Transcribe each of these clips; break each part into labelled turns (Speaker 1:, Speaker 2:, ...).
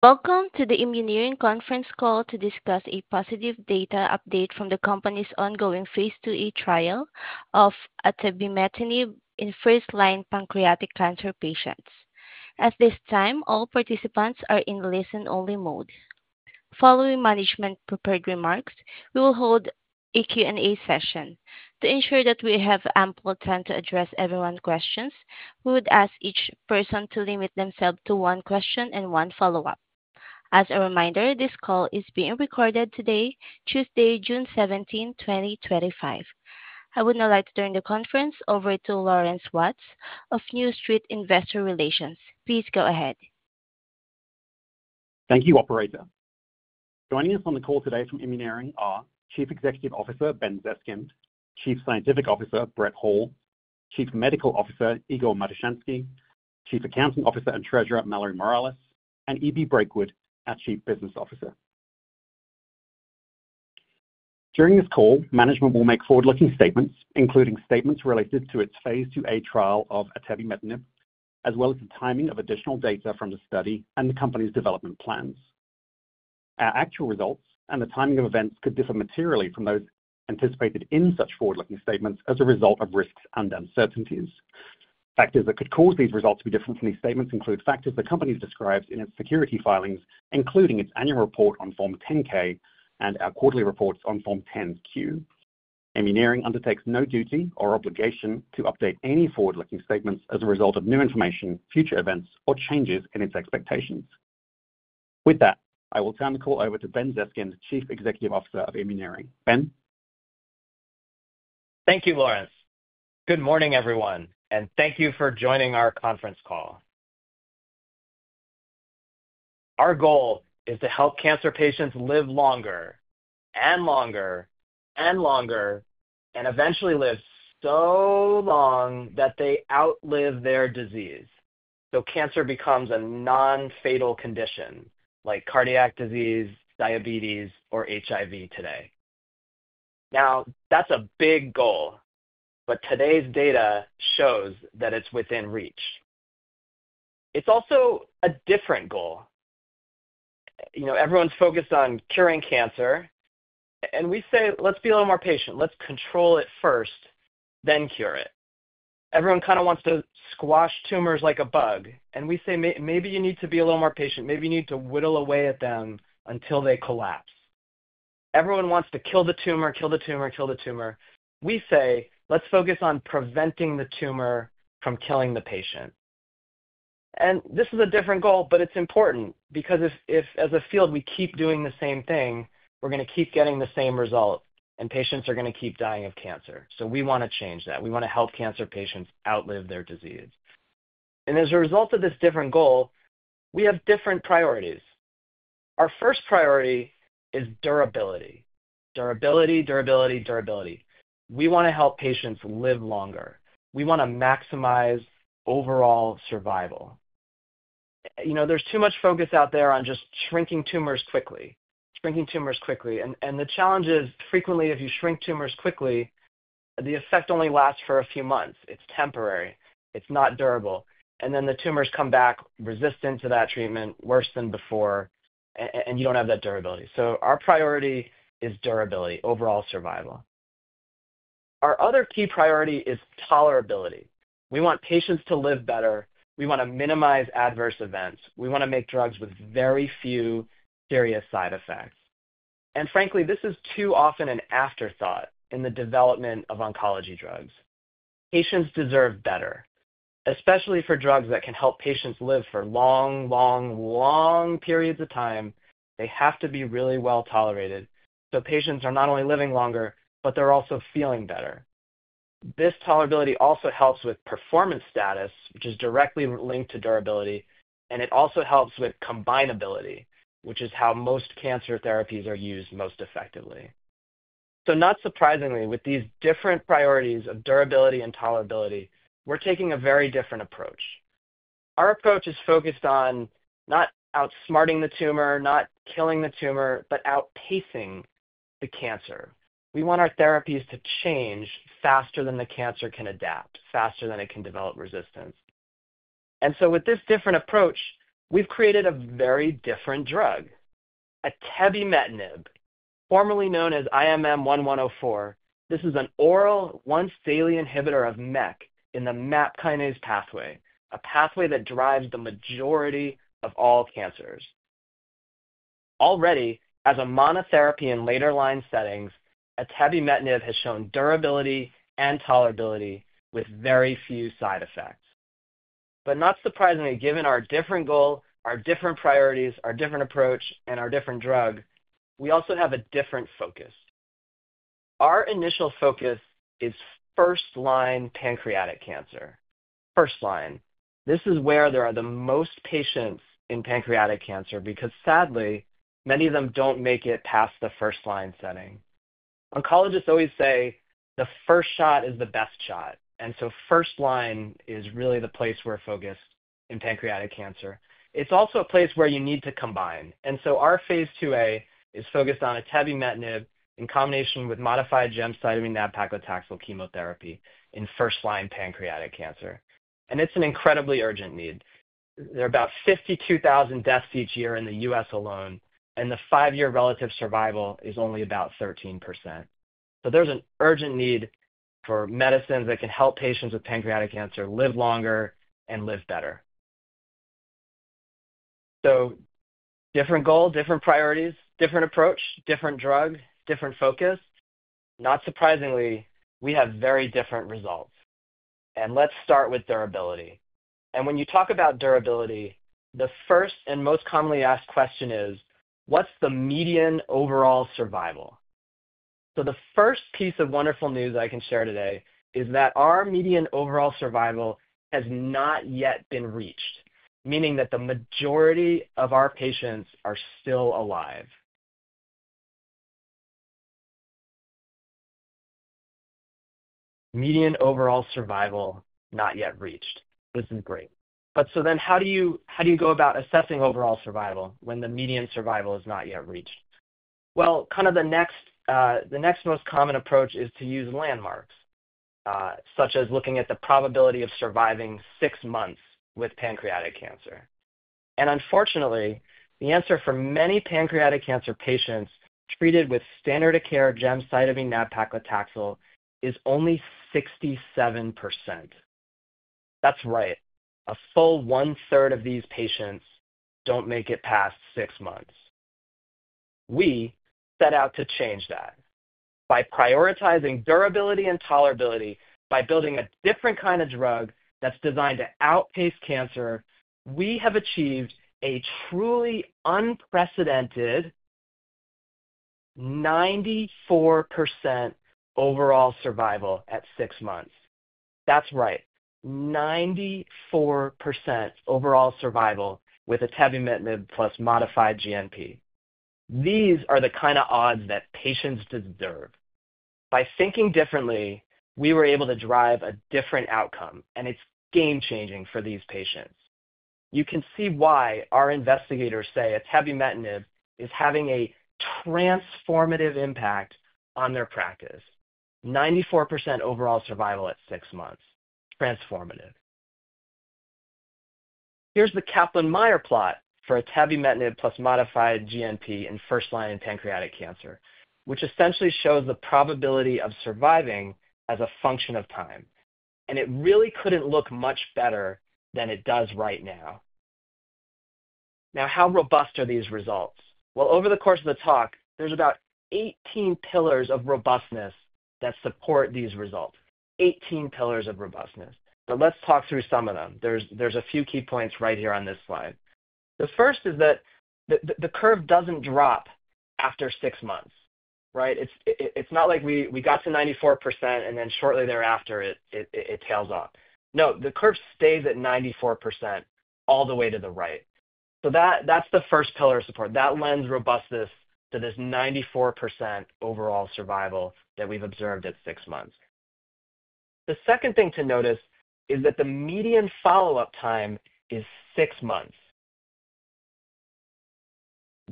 Speaker 1: Welcome to the Immuneering Conference Call to Discuss a Positive Data Update from the Company's Ongoing phase II-A trial of atobemetinib in First-line Pancreatic Cancer Patients. At this time, all participants are in listen-only mode. Following management-prepared remarks, we will hold a Q&A session. To ensure that we have ample time to address everyone's questions, we would ask each person to limit themselves to one question and one follow-up. As a reminder, this call is being recorded today, Tuesday, June 17, 2025. I would now like to turn the conference over to Lawrence Watts of New Street Investor Relations. Please go ahead.
Speaker 2: Thank you, Operator. Joining us on the call today from Immuneering are Chief Executive Officer Ben Zeskind, Chief Scientific Officer Brett Hall, Chief Medical Officer Igor Matyshensky, Chief Accounting Officer and Treasurer Mallory Morales, and E Brakewood, our Chief Business Officer. During this call, management will make forward-looking statements, including statements related to its phase II-A trial of atobemetinib, as well as the timing of additional data from the study and the company's development plans. Our actual results and the timing of events could differ materially from those anticipated in such forward-looking statements as a result of risks and uncertainties. Factors that could cause these results to be different from these statements include factors the company describes in its security filings, including its annual report on Form 10-K and our quarterly reports on Form 10-Q. Immuneering undertakes no duty or obligation to update any forward-looking statements as a result of new information, future events, or changes in its expectations. With that, I will turn the call over to Ben Zeskind, Chief Executive Officer of Immuneering. Ben?
Speaker 3: Thank you, Lawrence. Good morning, everyone, and thank you for joining our conference call. Our goal is to help cancer patients live longer, and longer, and longer, and eventually live so long that they outlive their disease, so cancer becomes a non-fatal condition like cardiac disease, diabetes, or HIV today. Now, that's a big goal, but today's data shows that it's within reach. It's also a different goal. Everyone's focused on curing cancer, and we say, "Let's be a little more patient. Let's control it first, then cure it." Everyone kind of wants to squash tumors like a bug, and we say, "Maybe you need to be a little more patient. Maybe you need to whittle away at them until they collapse." Everyone wants to kill the tumor, kill the tumor, kill the tumor. We say, "Let's focus on preventing the tumor from killing the patient." This is a different goal, but it's important because if, as a field, we keep doing the same thing, we're going to keep getting the same result, and patients are going to keep dying of cancer. We want to change that. We want to help cancer patients outlive their disease. As a result of this different goal, we have different priorities. Our first priority is durability. Durability, durability, durability. We want to help patients live longer. We want to maximize overall survival. There's too much focus out there on just shrinking tumors quickly, shrinking tumors quickly. The challenge is, frequently, if you shrink tumors quickly, the effect only lasts for a few months. It's temporary. It's not durable. The tumors come back resistant to that treatment, worse than before, and you do not have that durability. Our priority is durability, overall survival. Our other key priority is tolerability. We want patients to live better. We want to minimize adverse events. We want to make drugs with very few serious side effects. Frankly, this is too often an afterthought in the development of oncology drugs. Patients deserve better, especially for drugs that can help patients live for long, long, long periods of time. They have to be really well tolerated so patients are not only living longer, but they are also feeling better. This tolerability also helps with performance status, which is directly linked to durability, and it also helps with combinability, which is how most cancer therapies are used most effectively. Not surprisingly, with these different priorities of durability and tolerability, we're taking a very different approach. Our approach is focused on not outsmarting the tumor, not killing the tumor, but outpacing the cancer. We want our therapies to change faster than the cancer can adapt, faster than it can develop resistance. With this different approach, we've created a very different drug, atobemetinib, formerly known as IMM-1104. This is an oral once-daily inhibitor of MEK in the MAP kinase pathway, a pathway that drives the majority of all cancers. Already, as a monotherapy in later-line settings, atobemetinib has shown durability and tolerability with very few side effects. Not surprisingly, given our different goal, our different priorities, our different approach, and our different drug, we also have a different focus. Our initial focus is first-line pancreatic cancer. First-line. This is where there are the most patients in pancreatic cancer because, sadly, many of them don't make it past the first-line setting. Oncologists always say, "The first shot is the best shot." First-line is really the place we're focused in pancreatic cancer. It's also a place where you need to combine. Our phase II-A is focused on atobemetinib in combination with modified gemcitabine chemotherapy in first-line pancreatic cancer. It's an incredibly urgent need. There are about 52,000 deaths each year in the U.S. alone, and the five-year relative survival is only about 13%. There's an urgent need for medicines that can help patients with pancreatic cancer live longer and live better. Different goal, different priorities, different approach, different drug, different focus. Not surprisingly, we have very different results. Let's start with durability. When you talk about durability, the first and most commonly asked question is, "What's the median overall survival?" The first piece of wonderful news I can share today is that our median overall survival has not yet been reached, meaning that the majority of our patients are still alive. Median overall survival not yet reached. This is great. Then how do you go about assessing overall survival when the median survival is not yet reached? Kind of the next most common approach is to use landmarks, such as looking at the probability of surviving six months with pancreatic cancer. Unfortunately, the answer for many pancreatic cancer patients treated with standard of care gemcitabine nab-paclitaxel is only 67%. That's right. A full one-third of these patients do not make it past six months. We set out to change that by prioritizing durability and tolerability by building a different kind of drug that's designed to outpace cancer. We have achieved a truly unprecedented 94% overall survival at six months. That's right. 94% overall survival with atobemetinib plus modified GNP. These are the kind of odds that patients deserve. By thinking differently, we were able to drive a different outcome, and it's game-changing for these patients. You can see why our investigators say atobemetinib is having a transformative impact on their practice. 94% overall survival at six months. Transformative. Here is the Kaplan-Meier plot for atobemetinib plus modified GNP in first-line pancreatic cancer, which essentially shows the probability of surviving as a function of time. It really could not look much better than it does right now. Now, how robust are these results? Over the course of the talk, there's about 18 pillars of robustness that support these results. 18 pillars of robustness. Let's talk through some of them. There's a few key points right here on this slide. The first is that the curve doesn't drop after six months. It's not like we got to 94%, and then shortly thereafter it tails off. No, the curve stays at 94% all the way to the right. That's the first pillar of support. That lends robustness to this 94% overall survival that we've observed at six months. The second thing to notice is that the median follow-up time is six months.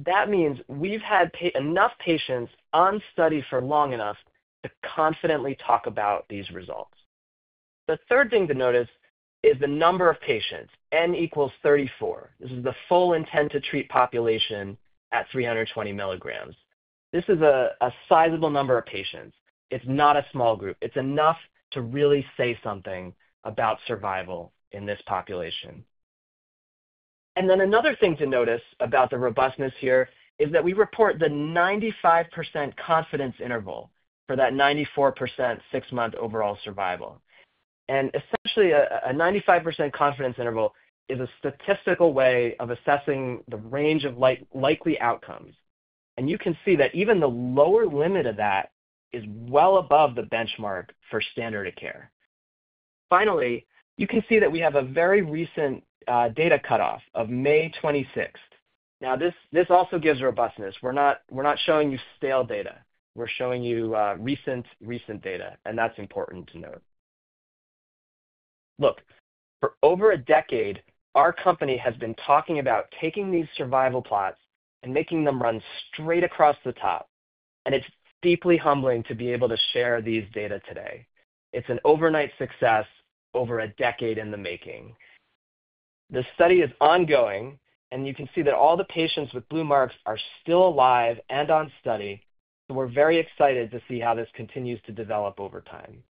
Speaker 3: That means we've had enough patients on study for long enough to confidently talk about these results. The third thing to notice is the number of patients. N equals 34. This is the full intent to treat population at 320 milligrams. This is a sizable number of patients. It's not a small group. It's enough to really say something about survival in this population. Another thing to notice about the robustness here is that we report the 95% confidence interval for that 94% six-month overall survival. Essentially, a 95% confidence interval is a statistical way of assessing the range of likely outcomes. You can see that even the lower limit of that is well above the benchmark for standard of care. Finally, you can see that we have a very recent data cutoff of May 26th. This also gives robustness. We're not showing you stale data. We're showing you recent, recent data. That's important to note. Look, for over a decade, our company has been talking about taking these survival plots and making them run straight across the top. It is deeply humbling to be able to share these data today. It is an overnight success over a decade in the making. The study is ongoing, and you can see that all the patients with blue marks are still alive and on study. We are very excited to see how this continues to develop over time.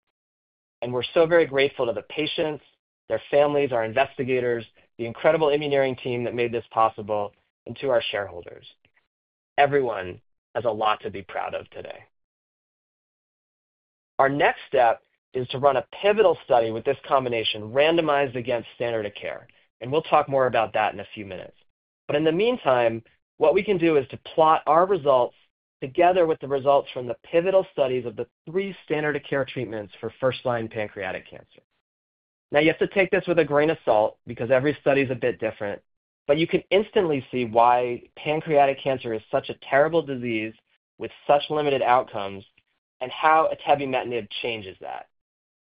Speaker 3: We are so very grateful to the patients, their families, our investigators, the incredible Immuneering team that made this possible, and to our shareholders. Everyone has a lot to be proud of today. Our next step is to run a pivotal study with this combination randomized against standard of care. We will talk more about that in a few minutes. In the meantime, what we can do is to plot our results together with the results from the pivotal studies of the three standard of care treatments for first-line pancreatic cancer. Now, you have to take this with a grain of salt because every study is a bit different. You can instantly see why pancreatic cancer is such a terrible disease with such limited outcomes and how atobemetinib changes that.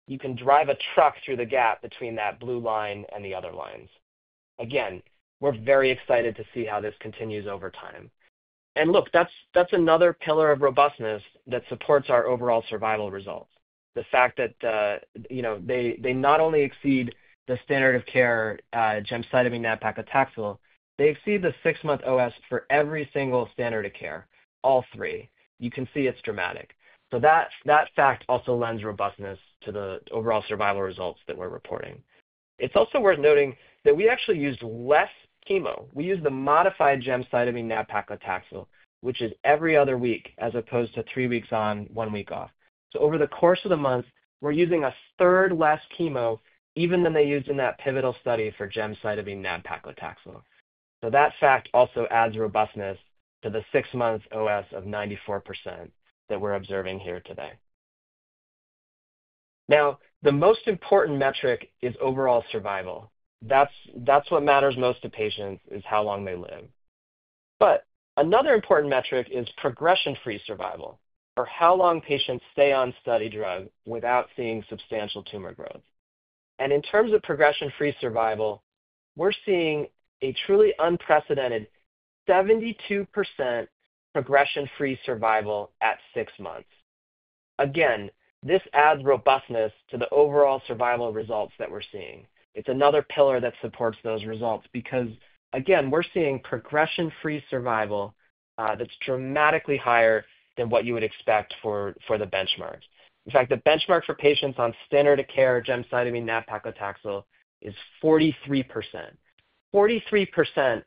Speaker 3: You can drive a truck through the gap between that blue line and the other lines. Again, we're very excited to see how this continues over time. Look, that's another pillar of robustness that supports our overall survival results. The fact that they not only exceed the standard of care gemcitabine nab-paclitaxel, they exceed the six-month OS for every single standard of care, all three. You can see it's dramatic. That fact also lends robustness to the overall survival results that we're reporting. It's also worth noting that we actually used less chemo. We used the modified gemcitabine nab-paclitaxel, which is every other week as opposed to three weeks on, one week off. Over the course of the month, we're using a third less chemo even than they used in that pivotal study for gemcitabine nab-paclitaxel. That fact also adds robustness to the six-month OS of 94% that we're observing here today. Now, the most important metric is overall survival. That's what matters most to patients is how long they live. Another important metric is progression-free survival or how long patients stay on study drug without seeing substantial tumor growth. In terms of progression-free survival, we're seeing a truly unprecedented 72% progression-free survival at six months. Again, this adds robustness to the overall survival results that we're seeing. It's another pillar that supports those results because, again, we're seeing progression-free survival that's dramatically higher than what you would expect for the benchmarks. In fact, the benchmark for patients on standard of care gemcitabine nab-paclitaxel is 43%. 43%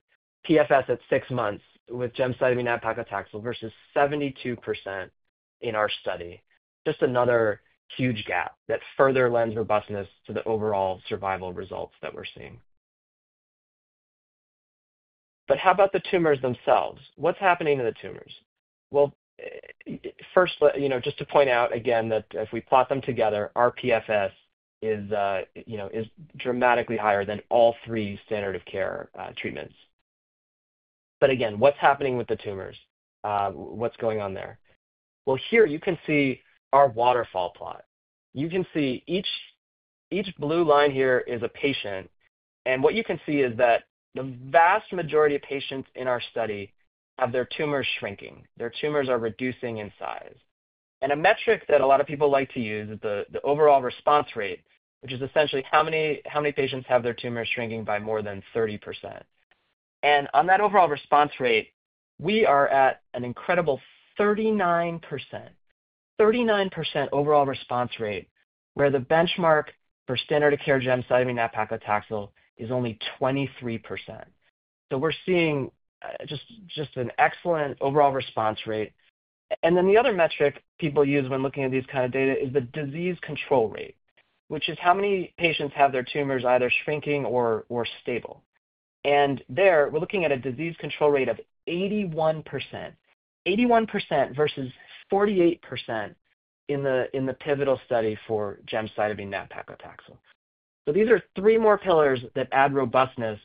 Speaker 3: PFS at six months with gemcitabine nab-paclitaxel versus 72% in our study. Just another huge gap that further lends robustness to the overall survival results that we're seeing. How about the tumors themselves? What's happening to the tumors? First, just to point out again that if we plot them together, our PFS is dramatically higher than all three standard of care treatments. Again, what's happening with the tumors? What's going on there? Here you can see our waterfall plot. You can see each blue line here is a patient. What you can see is that the vast majority of patients in our study have their tumors shrinking. Their tumors are reducing in size. A metric that a lot of people like to use is the overall response rate, which is essentially how many patients have their tumors shrinking by more than 30%. On that overall response rate, we are at an incredible 39%. 39% overall response rate where the benchmark for standard of care gemcitabine nab-paclitaxel is only 23%. We are seeing just an excellent overall response rate. The other metric people use when looking at these kinds of data is the disease control rate, which is how many patients have their tumors either shrinking or stable. There, we are looking at a disease control rate of 81%. 81% versus 48% in the pivotal study for gemcitabine nab-paclitaxel. These are three more pillars that add robustness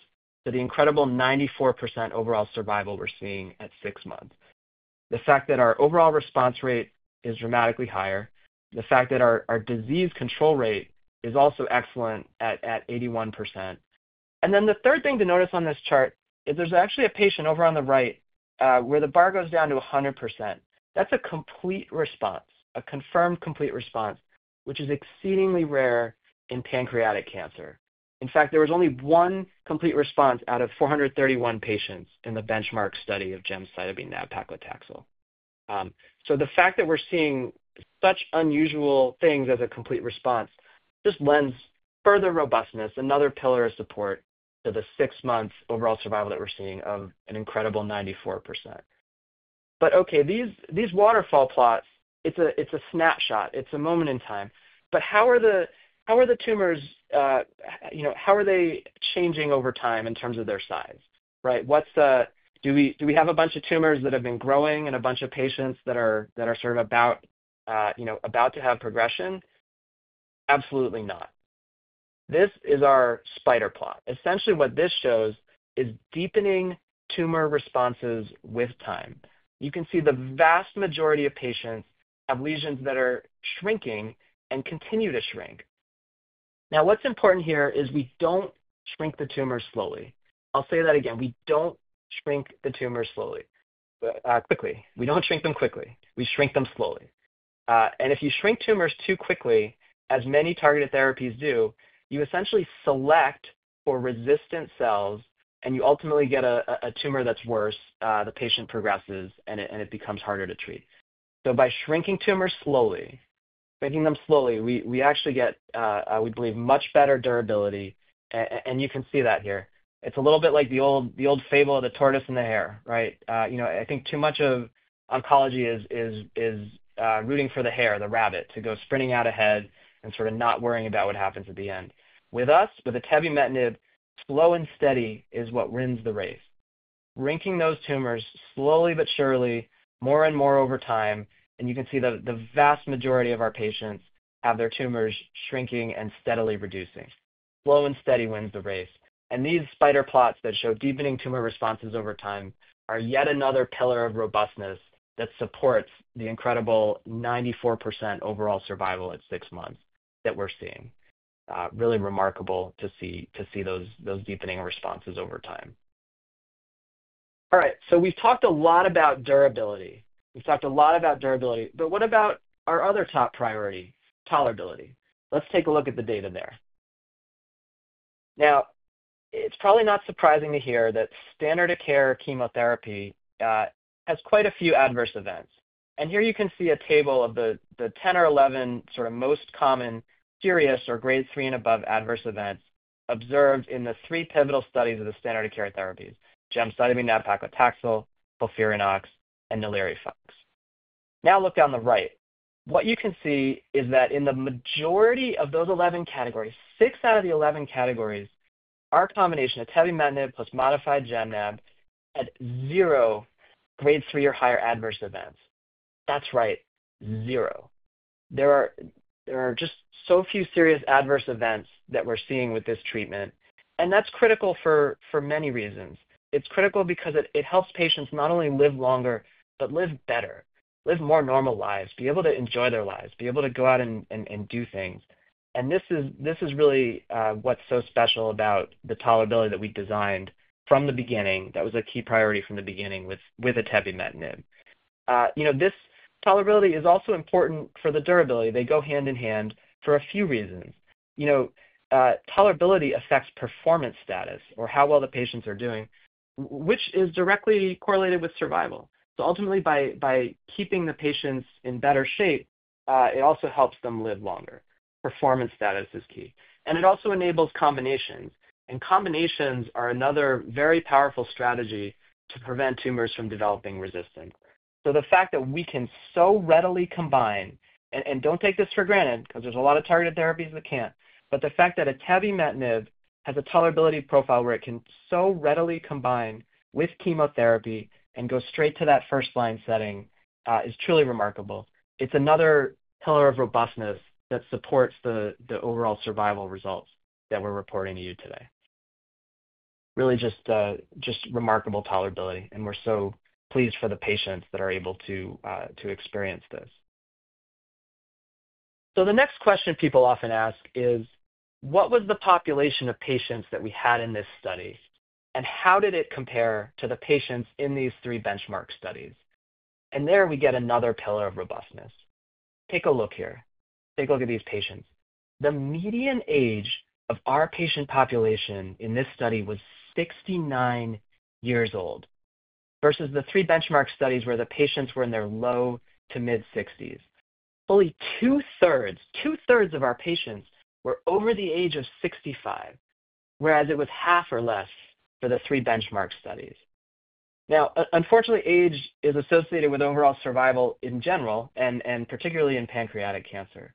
Speaker 3: to the incredible 94% overall survival we're seeing at six months. The fact that our overall response rate is dramatically higher. The fact that our disease control rate is also excellent at 81%. The third thing to notice on this chart is there's actually a patient over on the right where the bar goes down to 100%. That's a complete response, a confirmed complete response, which is exceedingly rare in pancreatic cancer. In fact, there was only one complete response out of 431 patients in the benchmark study of gemcitabine nab-paclitaxel. The fact that we're seeing such unusual things as a complete response just lends further robustness, another pillar of support to the six-month overall survival that we're seeing of an incredible 94%. These waterfall plots, it's a snapshot. It's a moment in time. How are the tumors? How are they changing over time in terms of their size? Do we have a bunch of tumors that have been growing and a bunch of patients that are sort of about to have progression? Absolutely not. This is our spider plot. Essentially, what this shows is deepening tumor responses with time. You can see the vast majority of patients have lesions that are shrinking and continue to shrink. Now, what's important here is we do not shrink the tumors quickly. We shrink them slowly. If you shrink tumors too quickly, as many targeted therapies do, you essentially select for resistant cells, and you ultimately get a tumor that's worse. The patient progresses, and it becomes harder to treat. By shrinking tumors slowly, making them slowly, we actually get, we believe, much better durability. You can see that here. It is a little bit like the old fable of the tortoise and the hare, right? I think too much of oncology is rooting for the hare, the rabbit, to go sprinting out ahead and sort of not worrying about what happens at the end. With us, with atobemetinib, slow and steady is what wins the race. Ranking those tumors slowly but surely, more and more over time. You can see the vast majority of our patients have their tumors shrinking and steadily reducing. Slow and steady wins the race. These spider plots that show deepening tumor responses over time are yet another pillar of robustness that supports the incredible 94% overall survival at six months that we are seeing. Really remarkable to see those deepening responses over time. All right. We've talked a lot about durability. We've talked a lot about durability. What about our other top priority, tolerability? Let's take a look at the data there. Now, it's probably not surprising to hear that standard of care chemotherapy has quite a few adverse events. Here you can see a table of the 10 or 11 most common serious or grade 3 and above adverse events observed in the three pivotal studies of the standard of care therapies: gemcitabine nab-paclitaxel, FOLFIRINOX, and NALIRIFOX. Now look down the right. What you can see is that in the majority of those 11 categories, six out of the 11 categories, our combination atobemetinib plus modified gemcitabine nab-paclitaxel had zero grade 3 or higher adverse events. That's right, zero. There are just so few serious adverse events that we're seeing with this treatment. That is critical for many reasons. It is critical because it helps patients not only live longer, but live better, live more normal lives, be able to enjoy their lives, be able to go out and do things. This is really what's so special about the tolerability that we designed from the beginning that was a key priority from the beginning with atobemetinib. This tolerability is also important for the durability. They go hand in hand for a few reasons. Tolerability affects performance status or how well the patients are doing, which is directly correlated with survival. Ultimately, by keeping the patients in better shape, it also helps them live longer. Performance status is key. It also enables combinations. Combinations are another very powerful strategy to prevent tumors from developing resistance. The fact that we can so readily combine, and do not take this for granted because there are a lot of targeted therapies that cannot but the fact that atobemetinib has a tolerability profile where it can so readily combine with chemotherapy and go straight to that first-line setting is truly remarkable. It is another pillar of robustness that supports the overall survival results that we are reporting to you today. Really just remarkable tolerability. We are so pleased for the patients that are able to experience this. The next question people often ask is, what was the population of patients that we had in this study? How did it compare to the patients in these three benchmark studies? There we get another pillar of robustness. Take a look here. Take a look at these patients. The median age of our patient population in this study was 69 years old versus the three benchmark studies where the patients were in their low to mid-60s. Only two-thirds of our patients were over the age of 65, whereas it was half or less for the three benchmark studies. Now, unfortunately, age is associated with overall survival in general, and particularly in pancreatic cancer.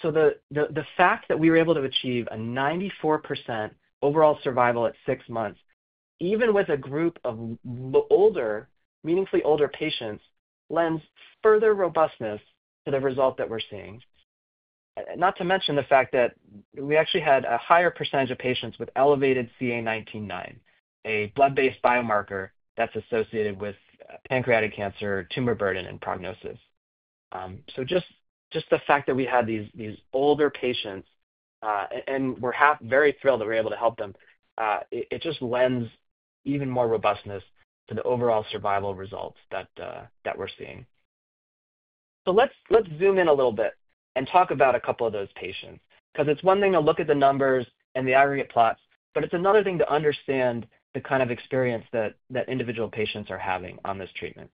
Speaker 3: The fact that we were able to achieve a 94% overall survival at six months, even with a group of meaningfully older patients, lends further robustness to the result that we're seeing. Not to mention the fact that we actually had a higher percentage of patients with elevated CA 19-9, a blood-based biomarker that's associated with pancreatic cancer, tumor burden, and prognosis. Just the fact that we had these older patients, and we're very thrilled that we were able to help them it just lends even more robustness to the overall survival results that we're seeing. Let's zoom in a little bit and talk about a couple of those patients because it's one thing to look at the numbers and the aggregate plots, but it's another thing to understand the kind of experience that individual patients are having on this treatment.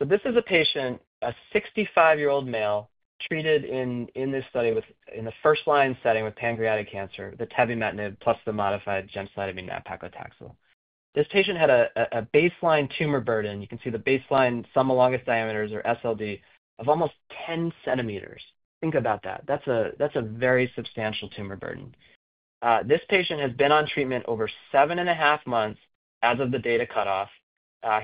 Speaker 3: This is a patient, a 65-year-old male treated in this study in the first-line setting with pancreatic cancer, atobemetinib plus the modified gemcitabine nab-paclitaxel. This patient had a baseline tumor burden. You can see the baseline sum of longest diameters or SLD of almost 10 centimeters. Think about that. That's a very substantial tumor burden. This patient has been on treatment over seven and a half months as of the data cutoff.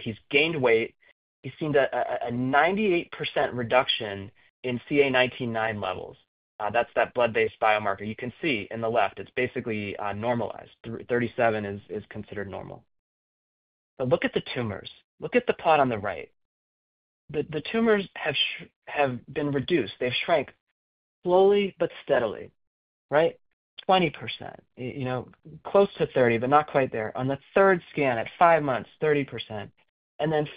Speaker 3: He's gained weight. He's seen a 98% reduction in CA 19-9 levels. That's that blood-based biomarker. You can see in the left, it's basically normalized. 37 is considered normal. Look at the tumors. Look at the plot on the right. The tumors have been reduced. They've shrank slowly but steadily, right? 20%. Close to 30, but not quite there. On the third scan at five months, 30%.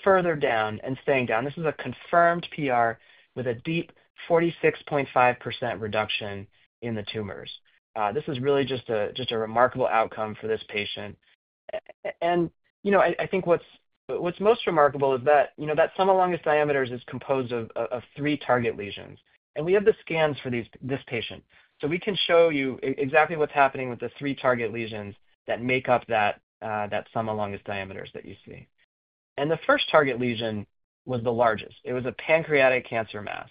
Speaker 3: Further down and staying down. This is a confirmed PR with a deep 46.5% reduction in the tumors. This is really just a remarkable outcome for this patient. I think what's most remarkable is that that sum of longest diameters is composed of three target lesions. We have the scans for this patient. We can show you exactly what's happening with the three target lesions that make up that sum of longest diameters that you see. The first target lesion was the largest. It was a pancreatic cancer mass,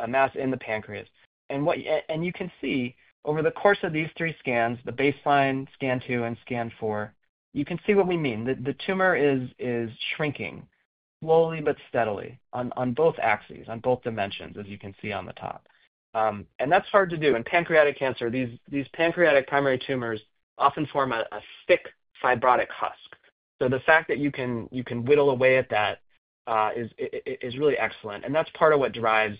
Speaker 3: a mass in the pancreas. You can see over the course of these three scans, the baseline scan two and scan four, you can see what we mean. The tumor is shrinking slowly but steadily on both axes, on both dimensions, as you can see on the top. That's hard to do. In pancreatic cancer, these pancreatic primary tumors often form a thick fibrotic husk. The fact that you can whittle away at that is really excellent. That's part of what drives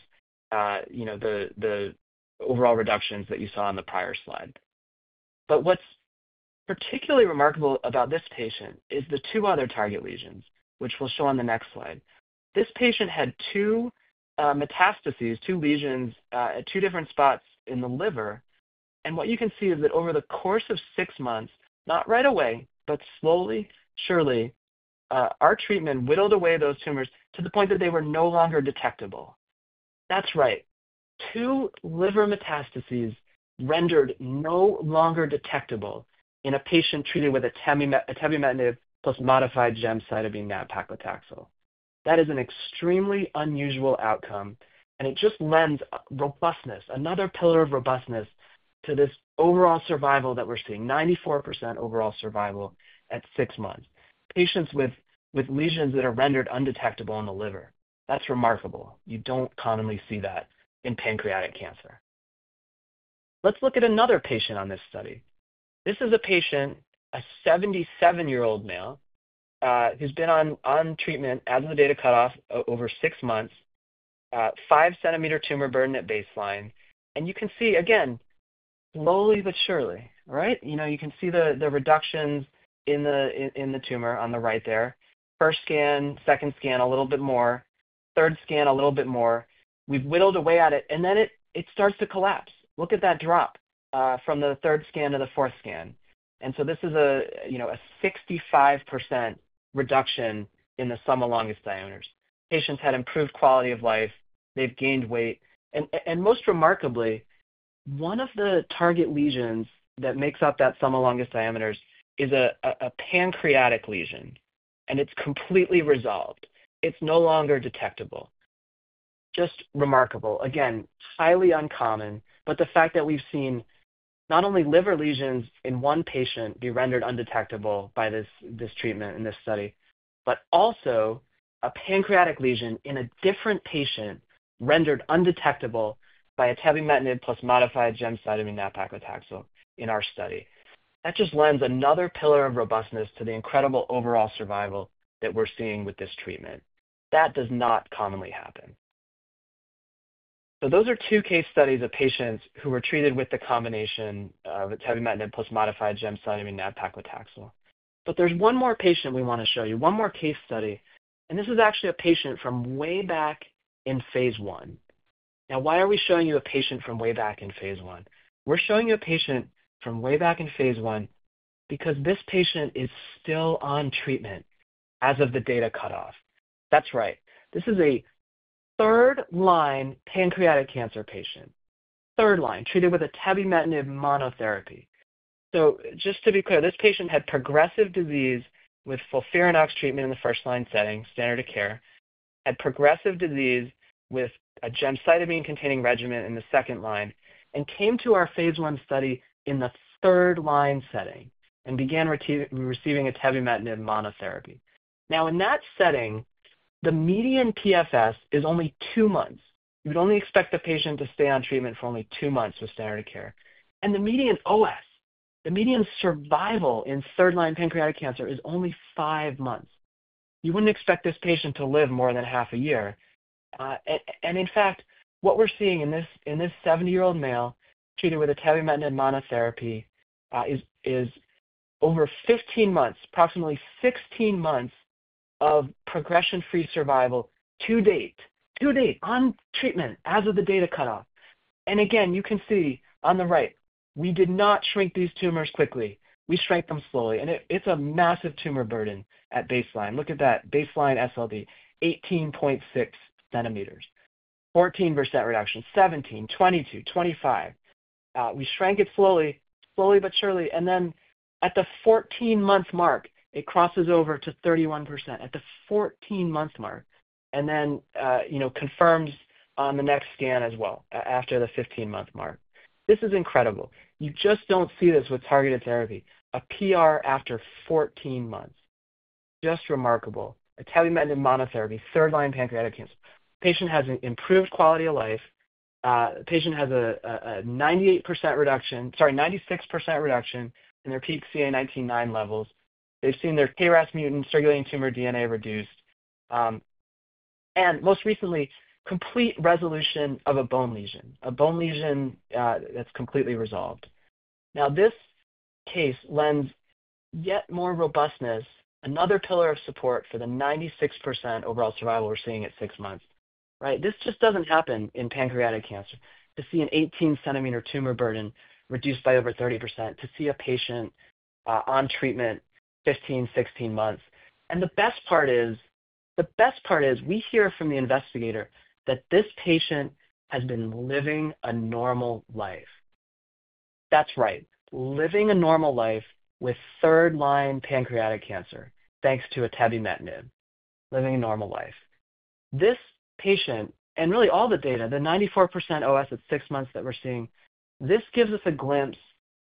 Speaker 3: the overall reductions that you saw on the prior slide. What is particularly remarkable about this patient is the two other target lesions, which we will show on the next slide. This patient had two metastases, two lesions at two different spots in the liver. What you can see is that over the course of six months, not right away, but slowly, surely, our treatment whittled away those tumors to the point that they were no longer detectable. That is right. Two liver metastases rendered no longer detectable in a patient treated with atobemetinib plus modified gemcitabine nab-paclitaxel. That is an extremely unusual outcome. It just lends robustness, another pillar of robustness, to this overall survival that we are seeing: 94% overall survival at six months. Patients with lesions that are rendered undetectable in the liver. That is remarkable. You do not commonly see that in pancreatic cancer. Let us look at another patient on this study. This is a patient, a 77-year-old male who's been on treatment as of the data cutoff over six months, 5 cm tumor burden at baseline. You can see, again, slowly but surely, right? You can see the reductions in the tumor on the right there. First scan, second scan, a little bit more. Third scan, a little bit more. We've whittled away at it. It starts to collapse. Look at that drop from the third scan to the fourth scan. This is a 65% reduction in the sum of longest diameters. Patients had improved quality of life. They've gained weight. Most remarkably, one of the target lesions that makes up that sum of longest diameters is a pancreatic lesion. It's completely resolved. It's no longer detectable. Just remarkable. Again, highly uncommon. The fact that we've seen not only liver lesions in one patient be rendered undetectable by this treatment in this study, but also a pancreatic lesion in a different patient rendered undetectable by atobemetinib plus modified gemcitabine nab-paclitaxel in our study just lends another pillar of robustness to the incredible overall survival that we're seeing with this treatment. That does not commonly happen. Those are two case studies of patients who were treated with the combination of atobemetinib plus modified gemcitabine nab-paclitaxel. There is one more patient we want to show you, one more case study. This is actually a patient from way back in phase one. Now, why are we showing you a patient from way back in phase one? We're showing you a patient from way back in phase one because this patient is still on treatment as of the data cutoff. That's right. This is a third-line pancreatic cancer patient, third line, treated with atobemetinib monotherapy. So just to be clear, this patient had progressive disease with sulfuran oxide treatment in the first-line setting, standard of care, had progressive disease with a gemcitabine, containing regimen in the second line, and came to our phase I study in the third-line setting and began receiving atobemetinib monotherapy. Now, in that setting, the median PFS is only two months. You would only expect the patient to stay on treatment for only two months with standard of care. The median OS, the median survival in third-line pancreatic cancer is only five months. You wouldn't expect this patient to live more than half a year. In fact, what we're seeing in this 70-year-old male treated with atobemetinib monotherapy is over 15 months, approximately 16 months of progression-free survival to date, to date on treatment as of the data cutoff. You can see on the right, we did not shrink these tumors quickly. We shrank them slowly. It is a massive tumor burden at baseline. Look at that baseline SLD, 18.6 cm, 14% reduction, 17, 22, 25. We shrank it slowly, slowly but surely. At the 14-month mark, it crosses over to 31% at the 14-month mark. It confirms on the next scan as well after the 15-month mark. This is incredible. You just do not see this with targeted therapy. A PR after 14 months. Just remarkable. Atobemetinib monotherapy, third-line pancreatic cancer. Patient has an improved quality of life. Patient has a 98% reduction, sorry, 96% reduction in their peak CA 19-9 levels. They've seen their KRAS mutant circulating tumor DNA reduced. Most recently, complete resolution of a bone lesion, a bone lesion that's completely resolved. Now, this case lends yet more robustness, another pillar of support for the 96% overall survival we're seeing at six months, right? This just doesn't happen in pancreatic cancer to see an 18 cm tumor burden reduced by over 30%, to see a patient on treatment 15, 16 months. The best part is, the best part is we hear from the investigator that this patient has been living a normal life. That's right. Living a normal life with third-line pancreatic cancer thanks to atobemetinib, living a normal life. This patient, and really all the data, the 94% OS at six months that we're seeing, this gives us a glimpse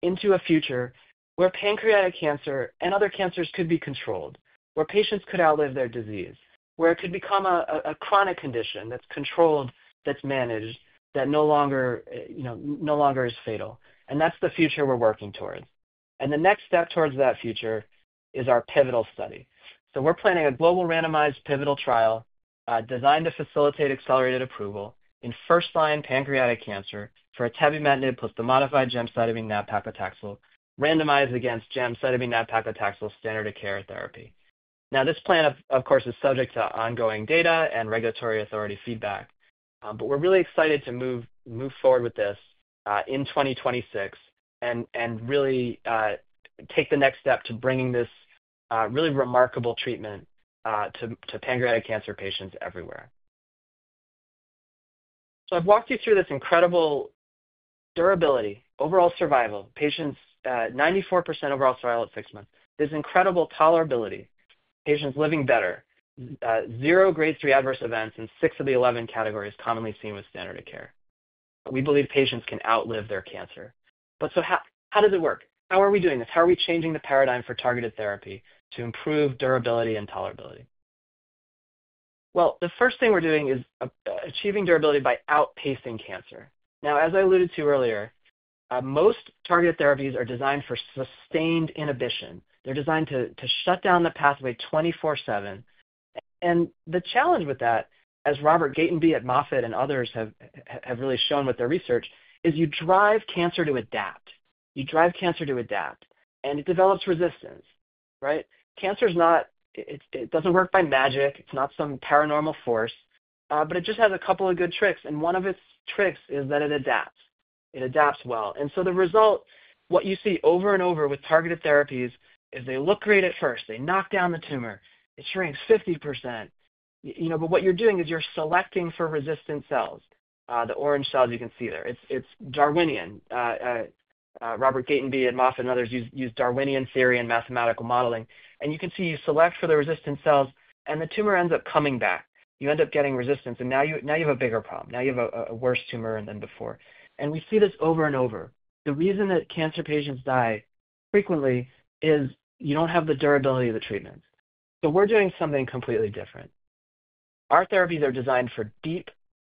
Speaker 3: into a future where pancreatic cancer and other cancers could be controlled, where patients could outlive their disease, where it could become a chronic condition that's controlled, that's managed, that no longer is fatal. That's the future we're working towards. The next step towards that future is our pivotal study. We're planning a global randomized pivotal trial designed to facilitate accelerated approval in first-line pancreatic cancer for atobemetinib plus the modified gemcitabine nab-paclitaxel, randomized against gemcitabine nab-paclitaxel, standard of care therapy. This plan, of course, is subject to ongoing data and regulatory authority feedback. We're really excited to move forward with this in 2026 and really take the next step to bringing this really remarkable treatment to pancreatic cancer patients everywhere. I've walked you through this incredible durability, overall survival, patients' 94% overall survival at six months, this incredible tolerability, patients living better, zero grade 3 adverse events in 6 of the 11 categories commonly seen with standard of care. We believe patients can outlive their cancer. How does it work? How are we doing this? How are we changing the paradigm for targeted therapy to improve durability and tolerability? The first thing we're doing is achieving durability by outpacing cancer. As I alluded to earlier, most targeted therapies are designed for sustained inhibition. They're designed to shut down the pathway 24/7. The challenge with that, as Robert Gatenby at Moffitt and others have really shown with their research, is you drive cancer to adapt. You drive cancer to adapt. It develops resistance, right? Cancer's not, it doesn't work by magic. It's not some paranormal force. It just has a couple of good tricks. One of its tricks is that it adapts. It adapts well. The result, what you see over and over with targeted therapies is they look great at first. They knock down the tumor. It shrinks 50%. What you're doing is you're selecting for resistant cells, the orange cells you can see there. It's Darwinian. Robert Gatenby at Moffitt and others use Darwinian theory and mathematical modeling. You can see you select for the resistant cells, and the tumor ends up coming back. You end up getting resistance. Now you have a bigger problem. Now you have a worse tumor than before. We see this over and over. The reason that cancer patients die frequently is you don't have the durability of the treatment. We're doing something completely different. Our therapies are designed for deep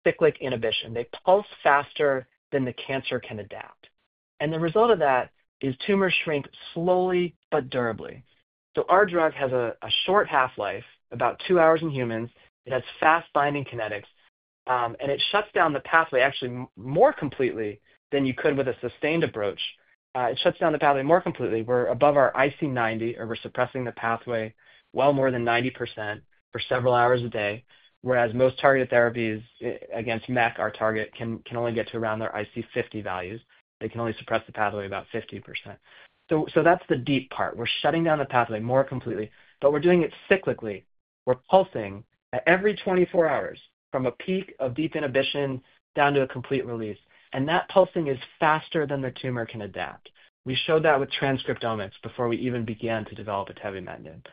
Speaker 3: cyclic inhibition. They pulse faster than the cancer can adapt. The result of that is tumors shrink slowly but durably. Our drug has a short half-life, about two hours in humans. It has fast-binding kinetics. It shuts down the pathway actually more completely than you could with a sustained approach. It shuts down the pathway more completely. We are above our IC90, or we are suppressing the pathway well more than 90% for several hours a day. Whereas most targeted therapies against MEK, our target, can only get to around their IC50 values. They can only suppress the pathway about 50%. That is the deep part. We are shutting down the pathway more completely. We are doing it cyclically. We are pulsing every 24 hours from a peak of deep inhibition down to a complete release. That pulsing is faster than the tumor can adapt. We showed that with transcriptomics before we even began to develop atobemetinib.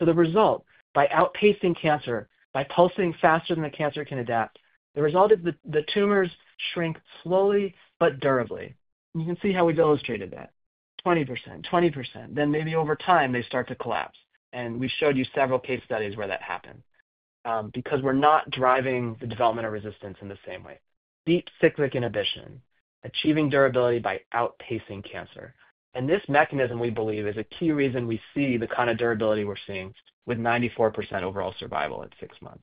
Speaker 3: The result, by outpacing cancer, by pulsing faster than the cancer can adapt, is the tumors shrink slowly but durably. You can see how we've illustrated that. 20%, 20%. Maybe over time, they start to collapse. We showed you several case studies where that happened because we're not driving the development of resistance in the same way. Deep cyclic inhibition, achieving durability by outpacing cancer. This mechanism, we believe, is a key reason we see the kind of durability we're seeing with 94% overall survival at six months.